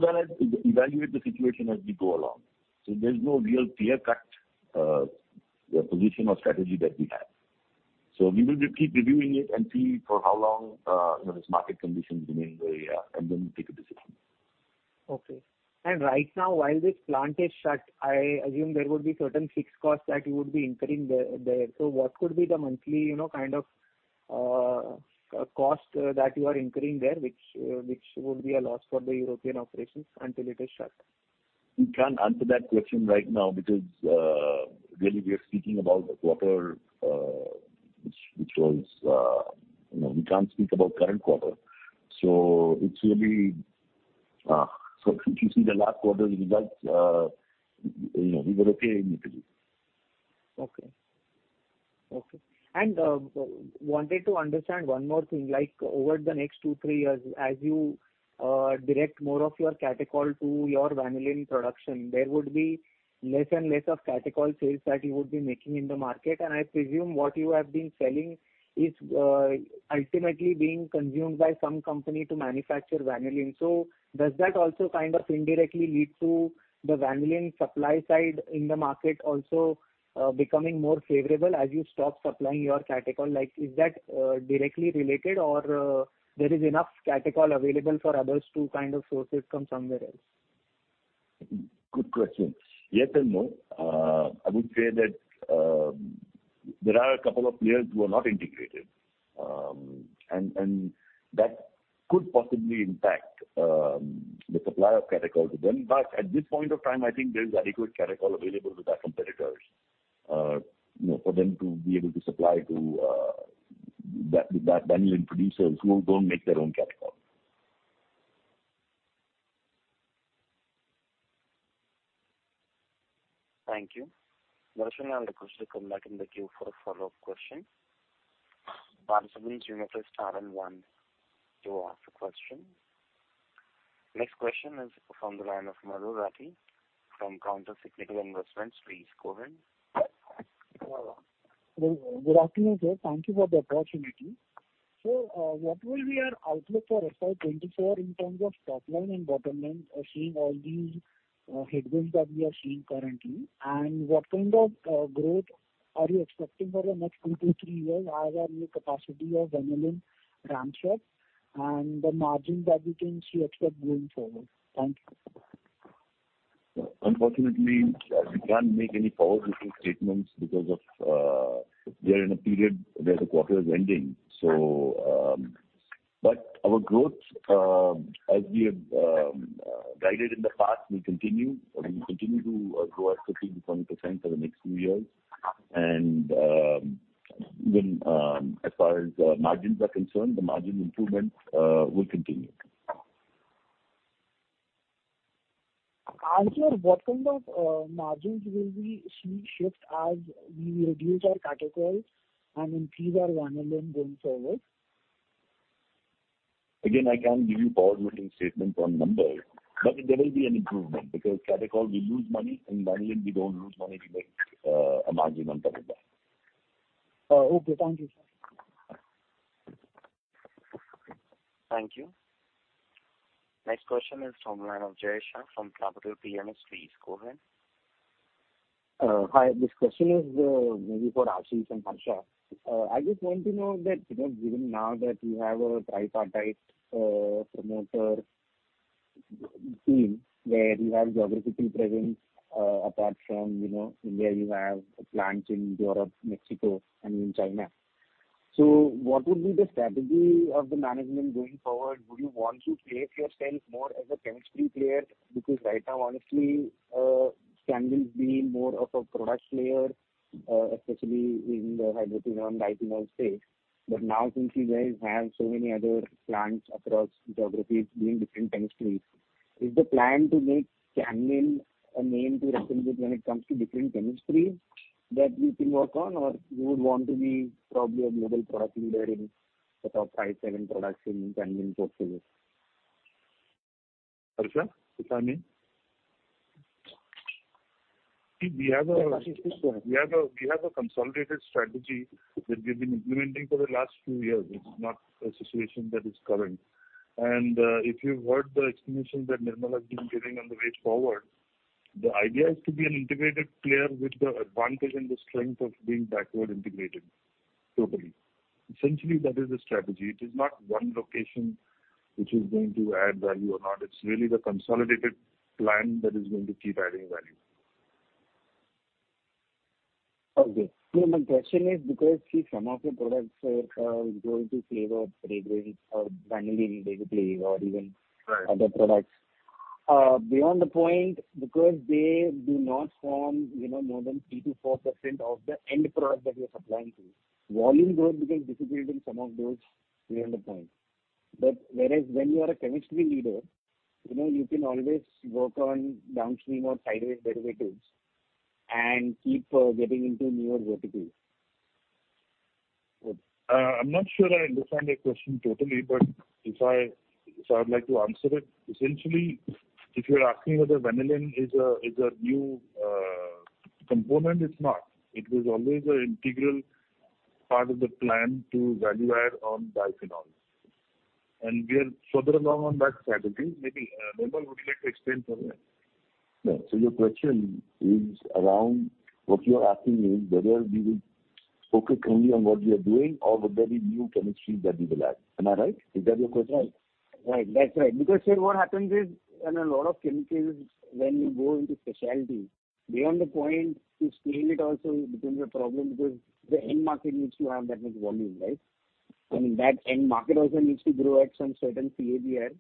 evaluate the situation as we go along. There's no real clear-cut position or strategy that we have. We will be keep reviewing it and see for how long, you know, this market conditions remain the way they are, and then we'll take a decision. Okay. And right now, while this plant is shut, I assume there would be certain fixed costs that you would be incurring there. So what could be the monthly, you know, kind of, cost that you are incurring there, which would be a loss for the European operations until it is shut? We can't answer that question right now because really we are speaking about the quarter, which was, you know, we can't speak about current quarter. So it's really, if you see the last quarter's results, you know, we were okay immediately. Wanted to understand one more thing, like, over the next two to three years, as you direct more of your catechol to your vanillin production, there would be less and less of catechol sales that you would be making in the market. And I presume what you have been selling is ultimately being consumed by some company to manufacture vanillin. So does that also kind of indirectly lead to the vanillin supply side in the market also becoming more favorable as you stop supplying your catechol? Like, is that directly related or there is enough catechol available for others to kind of source it from somewhere else? Good question. Yes and no. I would say that there are a couple of players who are not integrated. And that could possibly impact the supply of catechol to them. But at this point of time, I think there is adequate catechol available to our competitors, you know, for them to be able to supply to that vanillin producers who don't make their own catechol. Thank you. Darshan, I request you to come back in the queue for a follow-up question. [Darshan], you may press star and one to ask a question. Next question is from the line of Madhur Rathi from Counter Cyclical Investments. Please go ahead. Well, good afternoon, sir. Thank you for the opportunity. So, what will be your outlook for FY 2024 in terms of top line and bottom line, seeing all these headwinds that we are seeing currently? And what kind of growth are you expecting for the next two to three years as our new capacity of vanillin ramps up, and the margin that we can expect going forward? Thank you. Unfortunately, we can't make any forward-looking statements because we are in a period where the quarter is ending. So... But our growth, as we have guided in the past, will continue. We will continue to grow at 15%-20% for the next few years. And, as far as margins are concerned, the margin improvement will continue. Sir, what kind of margins will we see shift as we reduce our catechol and increase our vanillin going forward? Again, I can't give you forward-looking statements on numbers, but there will be an improvement, because catechol we lose money, and vanillin we don't lose money, we make a margin on top of that. Okay. Thank you, sir. Thank you. Next question is from the line of Jay Shah from Capital PMS. Please go ahead. Hi. This question is, maybe for Ashish and Harsha. I just want to know that, you know, given now that you have a tripartite, promoter team, where you have geographical presence, apart from, you know, India, you have plants in Europe, Mexico, and in China. So what would be the strategy of the management going forward? Would you want to place yourself more as a chemistry player? Because right now, honestly, Camlin is being more of a product player, especially in the hydroquinone and isoprene space. But now, since you guys have so many other plants across geographies doing different chemistries, is the plan to make Camlin a name to represent when it comes to different chemistry that you can work on? Or you would want to be probably a global product leader in the top five, seven products in Camlin portfolio? Harsha, you can come in. See, we have a-... We have a consolidated strategy that we've been implementing for the last few years. It's not a situation that is current. And, if you've heard the explanation that Nirmal has been giving on the way forward, the idea is to be an integrated player with the advantage and the strength of being backward integrated totally. Essentially, that is the strategy. It is not one location which is going to add value or not. It's really the consolidated plan that is going to keep adding value. Okay. So my question is because, see, some of the products are going to flavor, fragrance, or vanillin basically, or even- Right. -other products. Beyond the point, because they do not form, you know, more than 3%-4% of the end product that you're supplying to, volume growth becomes difficult in some of those beyond the point. But whereas when you are a chemistry leader, you know, you can always work on downstream or sideways derivatives and keep getting into newer verticals. I'm not sure I understand your question totally, but if I would like to answer it, essentially, if you're asking whether vanillin is a new,... Component is not. It was always an integral part of the plan to value add on diphenol. And we are further along on that strategy. Maybe, Nirmal, would you like to explain further? Yeah. So your question is around, what you are asking is whether we will focus only on what we are doing or whether there is new chemistries that we will add. Am I right? Is that your question? Right. That's right. Because then what happens is, in a lot of chemicals, when you go into specialty, beyond the point to scale it also becomes a problem because the end market needs to have that much volume, right? And that end market also needs to grow at some certain CAGR,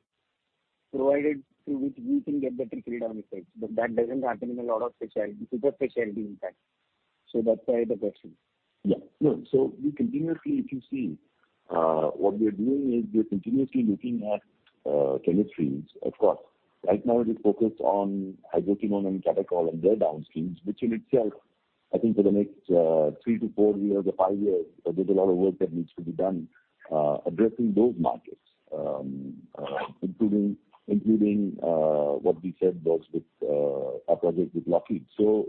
provided through which we can get the critical effects. But that doesn't happen in a lot of specialty, super specialty impact. So that's why the question. Yeah. No, so we continuously, if you see, what we are doing is we are continuously looking at chemistries. Of course, right now we're focused on hydroquinone and catechol and their downstreams, which in itself, I think for the next three to four years or five years, there's a lot of work that needs to be done addressing those markets. Including what we said those with our project with Lockheed. So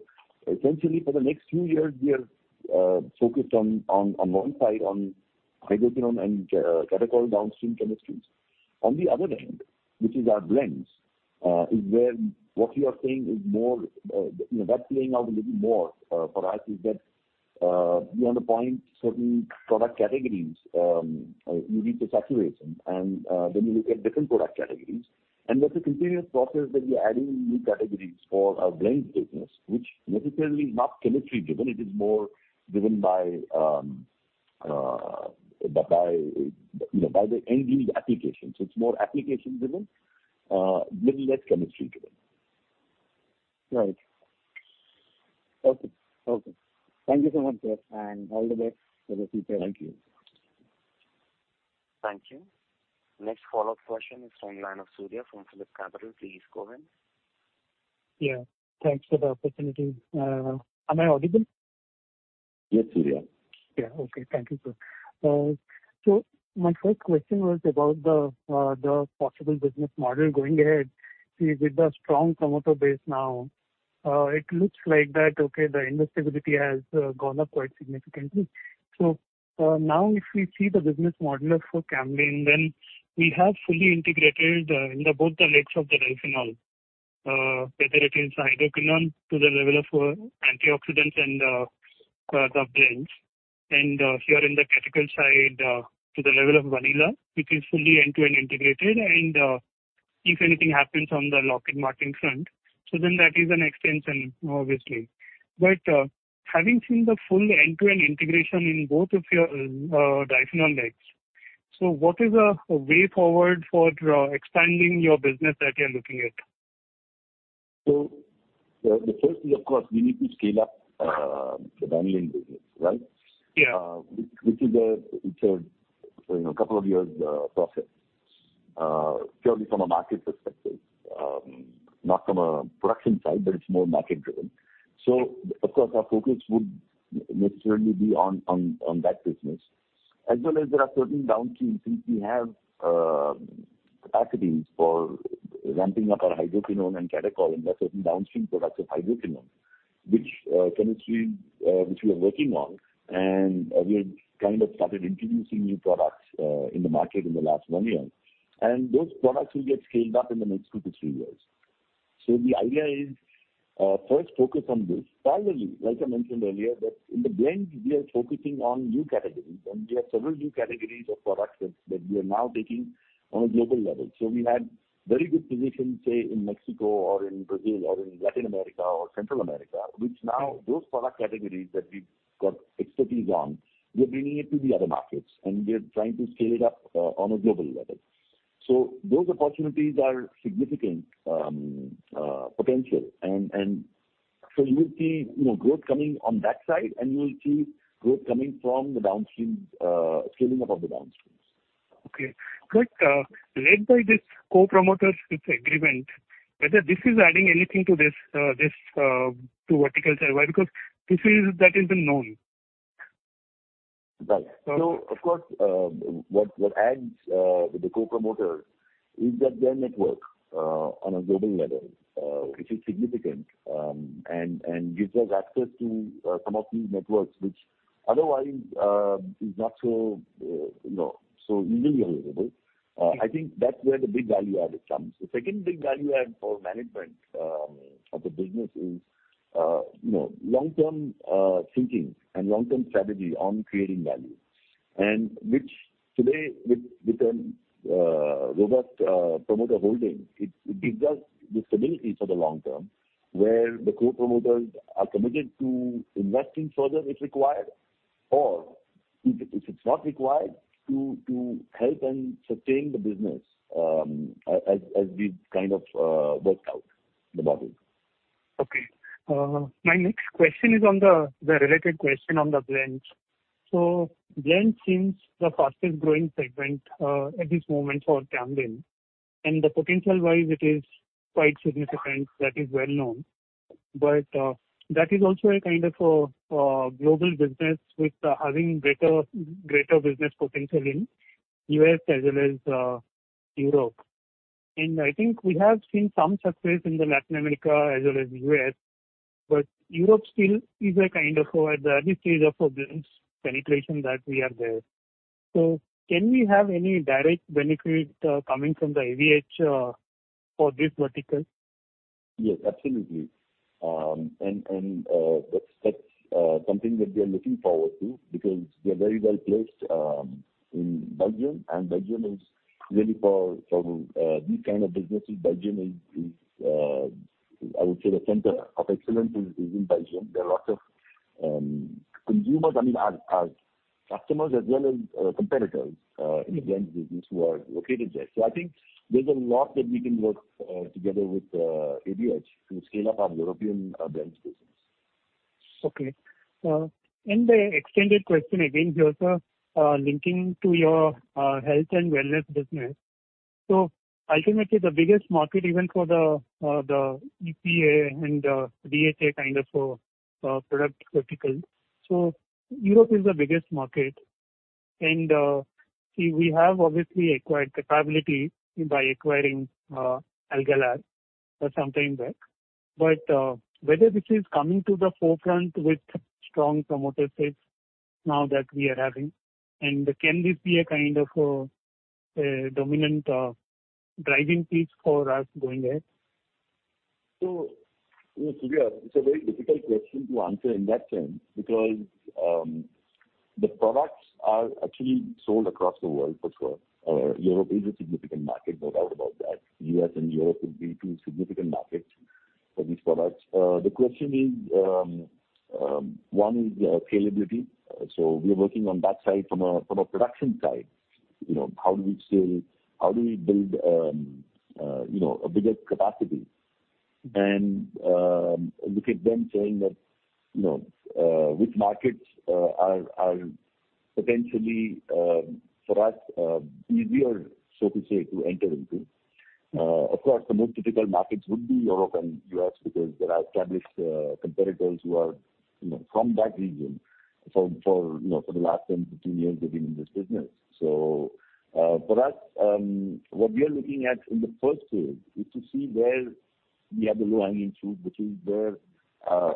essentially, for the next few years, we are focused on one side, on hydroquinone and catechol downstream chemistries. On the other hand, which is our blends, is where what you are saying is more, you know, that's playing out a little more for us, is that beyond the point, certain product categories, you need to saturate them, and then you look at different product categories. And that's a continuous process that we are adding new categories for our blends business, which necessarily is not chemistry driven. It is more driven by, you know, by the end use application. So it's more application driven, little less chemistry driven. Right. Okay, okay. Thank you so much, sir, and all the best for the future. Thank you. Thank you. Next follow-up question is from the line of Surya from PhillipCapital. Please go ahead. Yeah, thanks for the opportunity. Am I audible? Yes, Surya. Yeah, okay. Thank you, sir. So my first question was about the possible business model going ahead. See, with the strong promoter base now, it looks like that, okay, the investability has gone up quite significantly. So, now if we see the business model for Camlin, then we have fully integrated in both the legs of the diphenol. Whether it is hydroquinone to the level of antioxidants and the blends. And, here in the catechol side, to the level of vanillin, it is fully end-to-end integrated. And, if anything happens on the Lockheed Martin front, so then that is an extension, obviously. But, having seen the full end-to-end integration in both of your diphenol legs, so what is the way forward for expanding your business that you're looking at? The first is, of course, we need to scale up the Camlin business, right? Yeah. Which is a, it's a, you know, couple of years process, purely from a market perspective, not from a production side, but it's more market driven. So of course, our focus would necessarily be on that business. As well as there are certain downstreams, since we have capacities for ramping up our hydroquinone and catechol, and there are certain downstream products of hydroquinone, which we are working on, and we've kind of started introducing new products in the market in the last one year. And those products will get scaled up in the next two to three years. So the idea is, first focus on this. Finally, like I mentioned earlier, that in the blend we are focusing on new categories, and we have several new categories of products that, that we are now taking on a global level. So we had very good position, say, in Mexico or in Brazil or in Latin America or Central America, which now those product categories that we've got expertise on, we're bringing it to the other markets, and we're trying to scale it up, on a global level. So those opportunities are significant, potential. And, and so you will see, you know, growth coming on that side, and you will see growth coming from the downstreams, scaling up of the downstreams. Okay. But led by this co-promoters with agreement, whether this is adding anything to this vertical segue? Because this is, that has been known. Right. So of course, what adds with the co-promoter is that their network on a global level, which is significant, and gives us access to some of these networks, which otherwise is not so, you know, so easily available. I think that's where the big value add it comes. The second big value add for management of the business is, you know, long-term thinking and long-term strategy on creating value. And which today, with a robust promoter holding, it gives us the stability for the long term, where the co-promoters are committed to investing further, if required, or if it's not required, to help and sustain the business, as we've kind of worked out the model. Okay. My next question is on the related question on the blends. So blends seems the fastest growing segment at this moment for Camlin. And the potential-wise, it is quite significant, that is well known. But that is also a kind of global business with having greater, greater business potential in U.S. as well as Europe. And I think we have seen some success in the Latin America as well as U.S., but Europe still is a kind of at the early stage of our business penetration that we are there. So can we have any direct benefit coming from the AvH for this vertical? Yes, absolutely. And that's something that we are looking forward to, because we are very well placed in Belgium, and Belgium is really for these kind of businesses. Belgium is, I would say, the center of excellence in Belgium. There are a lot of consumers, I mean, our customers as well as competitors in the business who are located there. So I think there's a lot that we can work together with AvH to scale up our European business. Okay. And the extended question again here, sir, linking to your health and wellness business. So ultimately, the biggest market even for the the EPA and the DHA kind of product vertical. So Europe is the biggest market, and see, we have obviously acquired capability by acquiring AlgalR some time back, but whether this is coming to the forefront with strong promoter space now that we are having, and can this be a kind of a dominant driving piece for us going ahead? So, it's a very difficult question to answer in that sense, because, the products are actually sold across the world for sure. Europe is a significant market, no doubt about that. U.S. and Europe would be two significant markets for these products. The question is, one is scalability. So we are working on that side from a, from a production side. You know, how do we scale? How do we build, you know, a bigger capacity? And, look at them saying that, you know, which markets are potentially, for us, easier, so to say, to enter into. Of course, the most difficult markets would be Europe and U.S., because there are established competitors who are, you know, from that region, for, for, you know, for the last 10-15 years, they've been in this business. So, for us, what we are looking at in the first phase is to see where we have the low-hanging fruit, which is where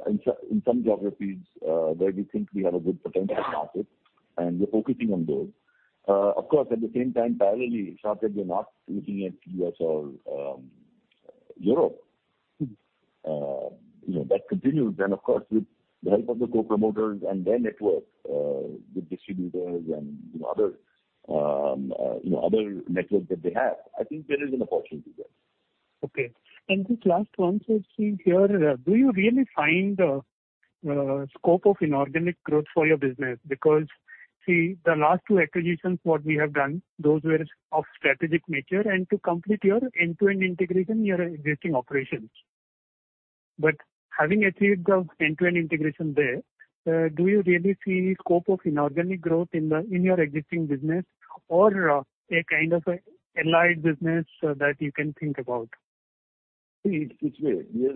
in some geographies where we think we have a good potential market, and we're focusing on those. Of course, at the same time, parallelly, it's not that we're not looking at U.S. or Europe. You know, that continues. Then, of course, with the help of the co-promoters and their network, the distributors and other, you know, other networks that they have, I think there is an opportunity there. Okay. And this last one, so see here, do you really find scope of inorganic growth for your business? Because, see, the last two acquisitions, what we have done, those were of strategic nature and to complete your end-to-end integration, your existing operations. But having achieved the end-to-end integration there, do you really see scope of inorganic growth in the, in your existing business or a kind of allied business that you can think about? See, it's weird. We are.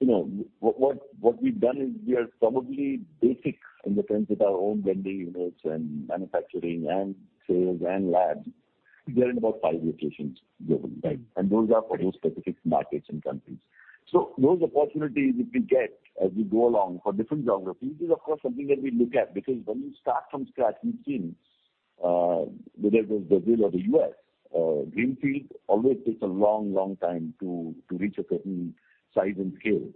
You know, what we've done is we are probably basic in the sense that our own blending units and manufacturing and sales and labs, we are in about five locations worldwide, and those are for those specific markets and countries. So those opportunities, if we get as we go along for different geographies, is of course, something that we look at, because when you start from scratch, which in, whether it is Brazil or the U.S., greenfield always takes a long, long time to reach a certain size and scale.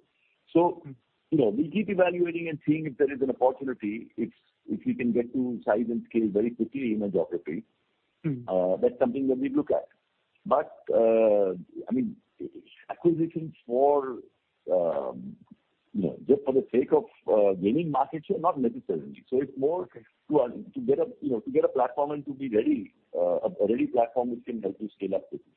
So, you know, we keep evaluating and seeing if there is an opportunity, if you can get to size and scale very quickly in a geography, that's something that we look at. But, I mean, acquisitions for, you know, just for the sake of, gaining market share, not necessarily. So it's more to, to get a, you know, to get a platform and to be ready, a ready platform which can help you scale up quickly.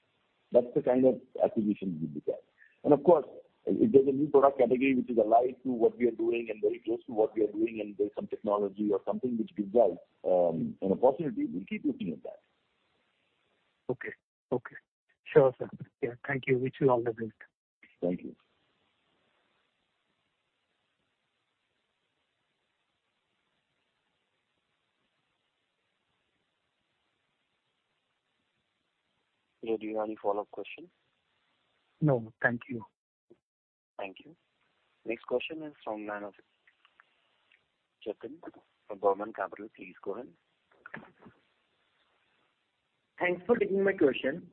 That's the kind of acquisition we look at. And of course, if there's a new product category which is allied to what we are doing and very close to what we are doing, and there's some technology or something which gives us, an opportunity, we'll keep looking at that. Okay. Okay. Sure, sir. Yeah. Thank you. Wish you all the best. Thank you. Do you have any follow-up questions? No, thank you. Thank you. Next question is from the line of Jatin from Burman Capital. Please go ahead. Thanks for taking my question.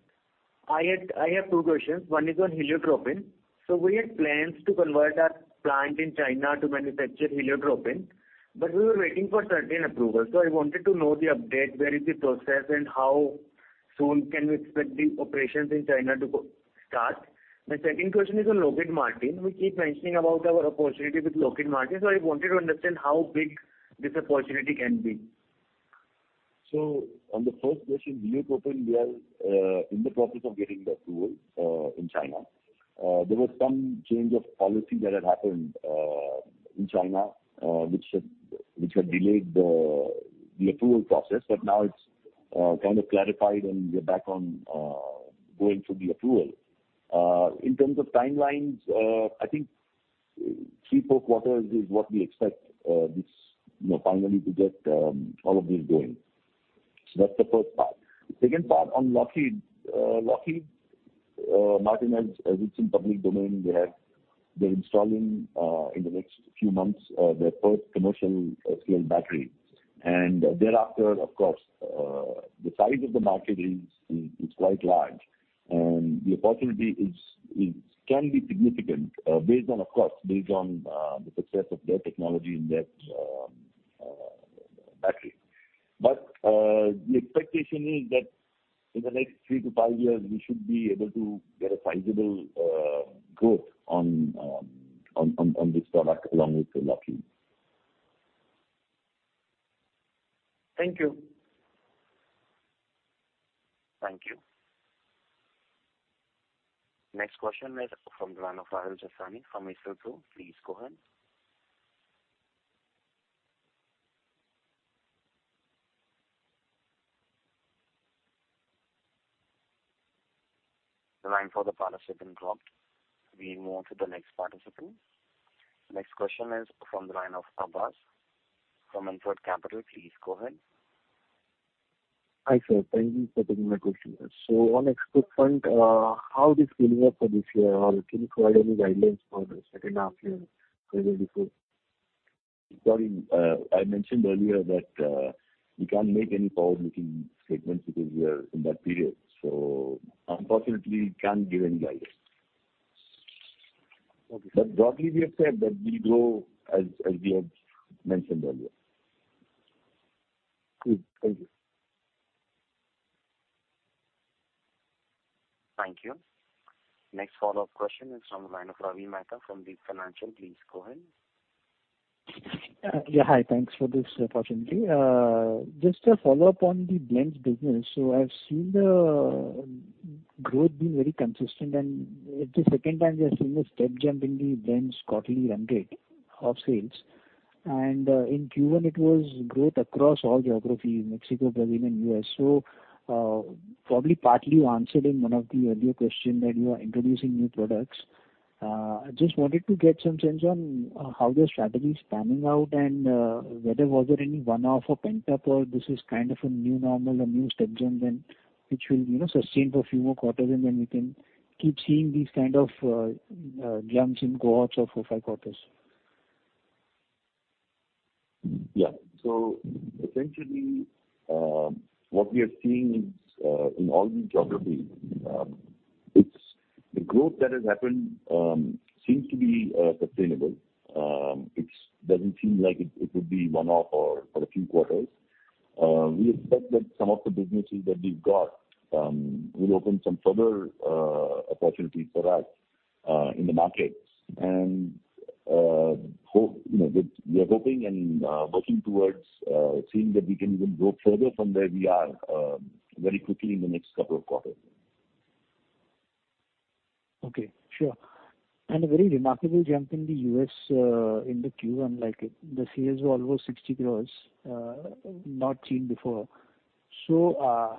I had, I have two questions. One is on heliotropin. So we had plans to convert our plant in China to manufacture heliotropin, but we were waiting for certain approval. So I wanted to know the update, where is the process and how soon can we expect the operations in China to go, start? My second question is on Lockheed Martin. We keep mentioning about our opportunity with Lockheed Martin, so I wanted to understand how big this opportunity can be. So on the first question, heliotropin, we are in the process of getting the approval in China. There was some change of policy that had happened in China, which had delayed the approval process, but now it's kind of clarified and we are back on going through the approval. In terms of timelines, I think three to four quarters is what we expect, this you know, finally to get all of these going. So that's the first part. The second part on Lockheed Martin, as it's in public domain, they're installing in the next few months their first commercial scale battery. Thereafter, of course, the size of the market is quite large, and the opportunity can be significant, based on, of course, based on the success of their technology and their battery. But the expectation is that in the next three to five years, we should be able to get a sizable growth on this product, along with Lockheed. Thank you. Thank you. Next question is from the line of Rahil Jasani from Accelpru. Please go ahead. The line for the participant dropped. We move on to the next participant. Next question is from the line of Abbas from InCred Capital. Please go ahead. Hi, sir. Thank you for taking my question. So on export front, how is scaling up for this year? Or can you provide any guidelines for the second half year, 2024? Sorry, I mentioned earlier that we can't make any forward-looking statements because we are in that period, so unfortunately, we can't give any guidance. Okay. But broadly, we have said that we grow as we have mentioned earlier. Good. Thank you. Thank you. Next follow-up question is from the line of Ravi Mehta from Deep Financial. Please go ahead. Yeah, hi. Thanks for this opportunity. Just a follow-up on the blends business. So I've seen the growth being very consistent, and it's the second time we are seeing a step jump in the blends quarterly run rate of sales. And, in Q1, it was growth across all geographies, Mexico, Brazil, and U.S. So, probably partly you answered in one of the earlier question that you are introducing new products. I just wanted to get some sense on, how the strategy is panning out and, whether was there any one-off or pent-up, or this is kind of a new normal, a new step change, and which will, you know, sustain for a few more quarters, and then we can keep seeing these kind of jumps in cohorts of four, five quarters. Yeah. So essentially, what we are seeing is, in all the geographies, it's the growth that has happened, seems to be sustainable. It's doesn't seem like it, it would be one-off or for a few quarters. We expect that some of the businesses that we've got, will open some further, opportunities for us, in the markets. And, you know, we are hoping and, working towards, seeing that we can even grow further from where we are, very quickly in the next couple of quarters. Okay, sure. And a very remarkable jump in the U.S., in the Q, and like, the sales were over 60 crores, not seen before. So,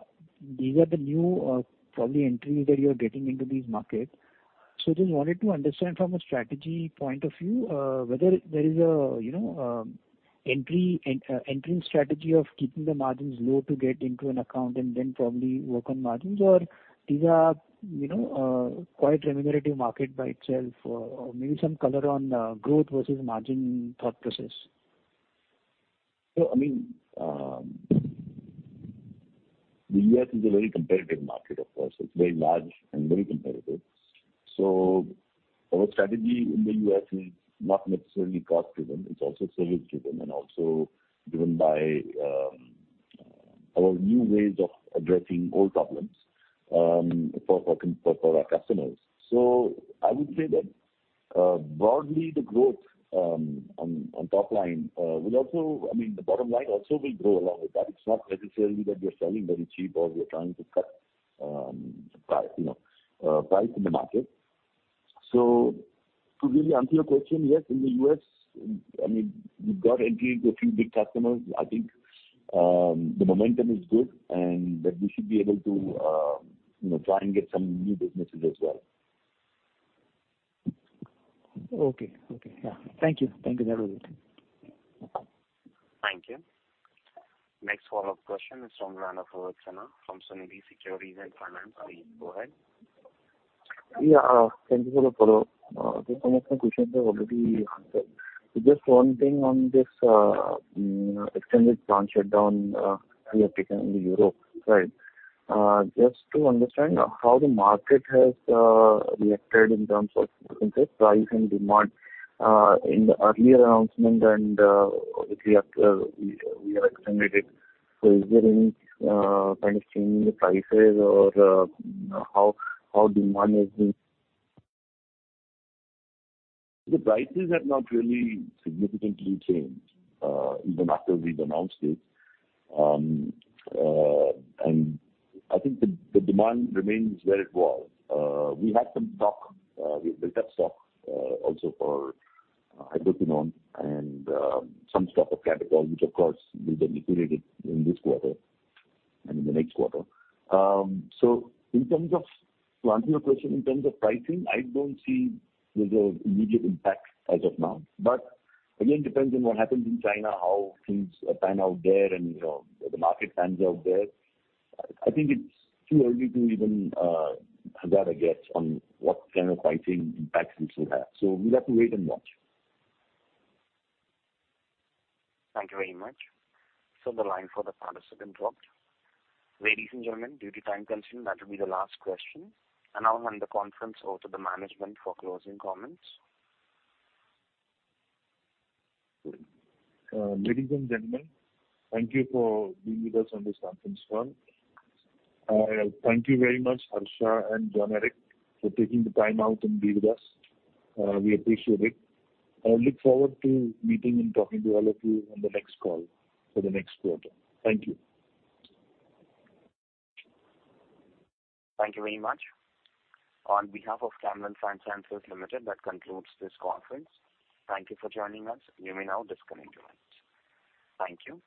these are the new, probably entry that you are getting into these markets. So just wanted to understand from a strategy point of view, whether there is a, you know, entry, entering strategy of keeping the margins low to get into an account and then probably work on margins, or these are, you know, quite remunerative market by itself, or maybe some color on, growth versus margin thought process. So, I mean, the U.S. is a very competitive market, of course. It's very large and very competitive. So our strategy in the U.S. is not necessarily cost-driven. It's also service-driven and also driven by our new ways of addressing old problems for our customers. So I would say that, broadly, the growth on top line will also. I mean, the bottom line also will grow along with that. It's not necessarily that we are selling very cheap or we are trying to cut price, you know, price in the market. So to really answer your question, yes, in the U.S., I mean, we've got entry into a few big customers. I think the momentum is good, and that we should be able to, you know, try and get some new businesses as well. Okay. Okay. Yeah. Thank you. Thank you very much. Thank you. Next follow-up question is from the line of Rohit Sinha from Sunidhi Securities and Finance. Please go ahead. Yeah, thank you for the follow-up. Some of my questions were already answered. Just one thing on this, extended plant shutdown you have taken in Europe, right? Just to understand how the market has reacted in terms of, in terms of price and demand, in the earlier announcement and, which we have, we have extended it. So is there any kind of change in the prices or, how demand has been? The prices have not really significantly changed, even after we've announced it. And I think the demand remains where it was. We had some stock. We built up stock, also for ibuprofen and some stock of catechol, which of course will get liquidated in this quarter and in the next quarter. So in terms of... To answer your question, in terms of pricing, I don't see there's an immediate impact as of now. But again, depends on what happens in China, how things pan out there and, you know, the market pans out there. I think it's too early to even hazard a guess on what kind of pricing impacts we still have. So we'll have to wait and watch. Thank you very much. So the line for the participant dropped. Ladies and gentlemen, due to time constraint, that will be the last question. I now hand the conference over to the management for closing comments. Ladies and gentlemen, thank you for being with us on this conference call. Thank you very much, Harsha and John-Eric, for taking the time out and being with us. We appreciate it. I look forward to meeting and talking to all of you on the next call for the next quarter. Thank you. Thank you very much. On behalf of Camlin Fine Sciences Limited, that concludes this conference. Thank you for joining us. You may now disconnect your lines. Thank you.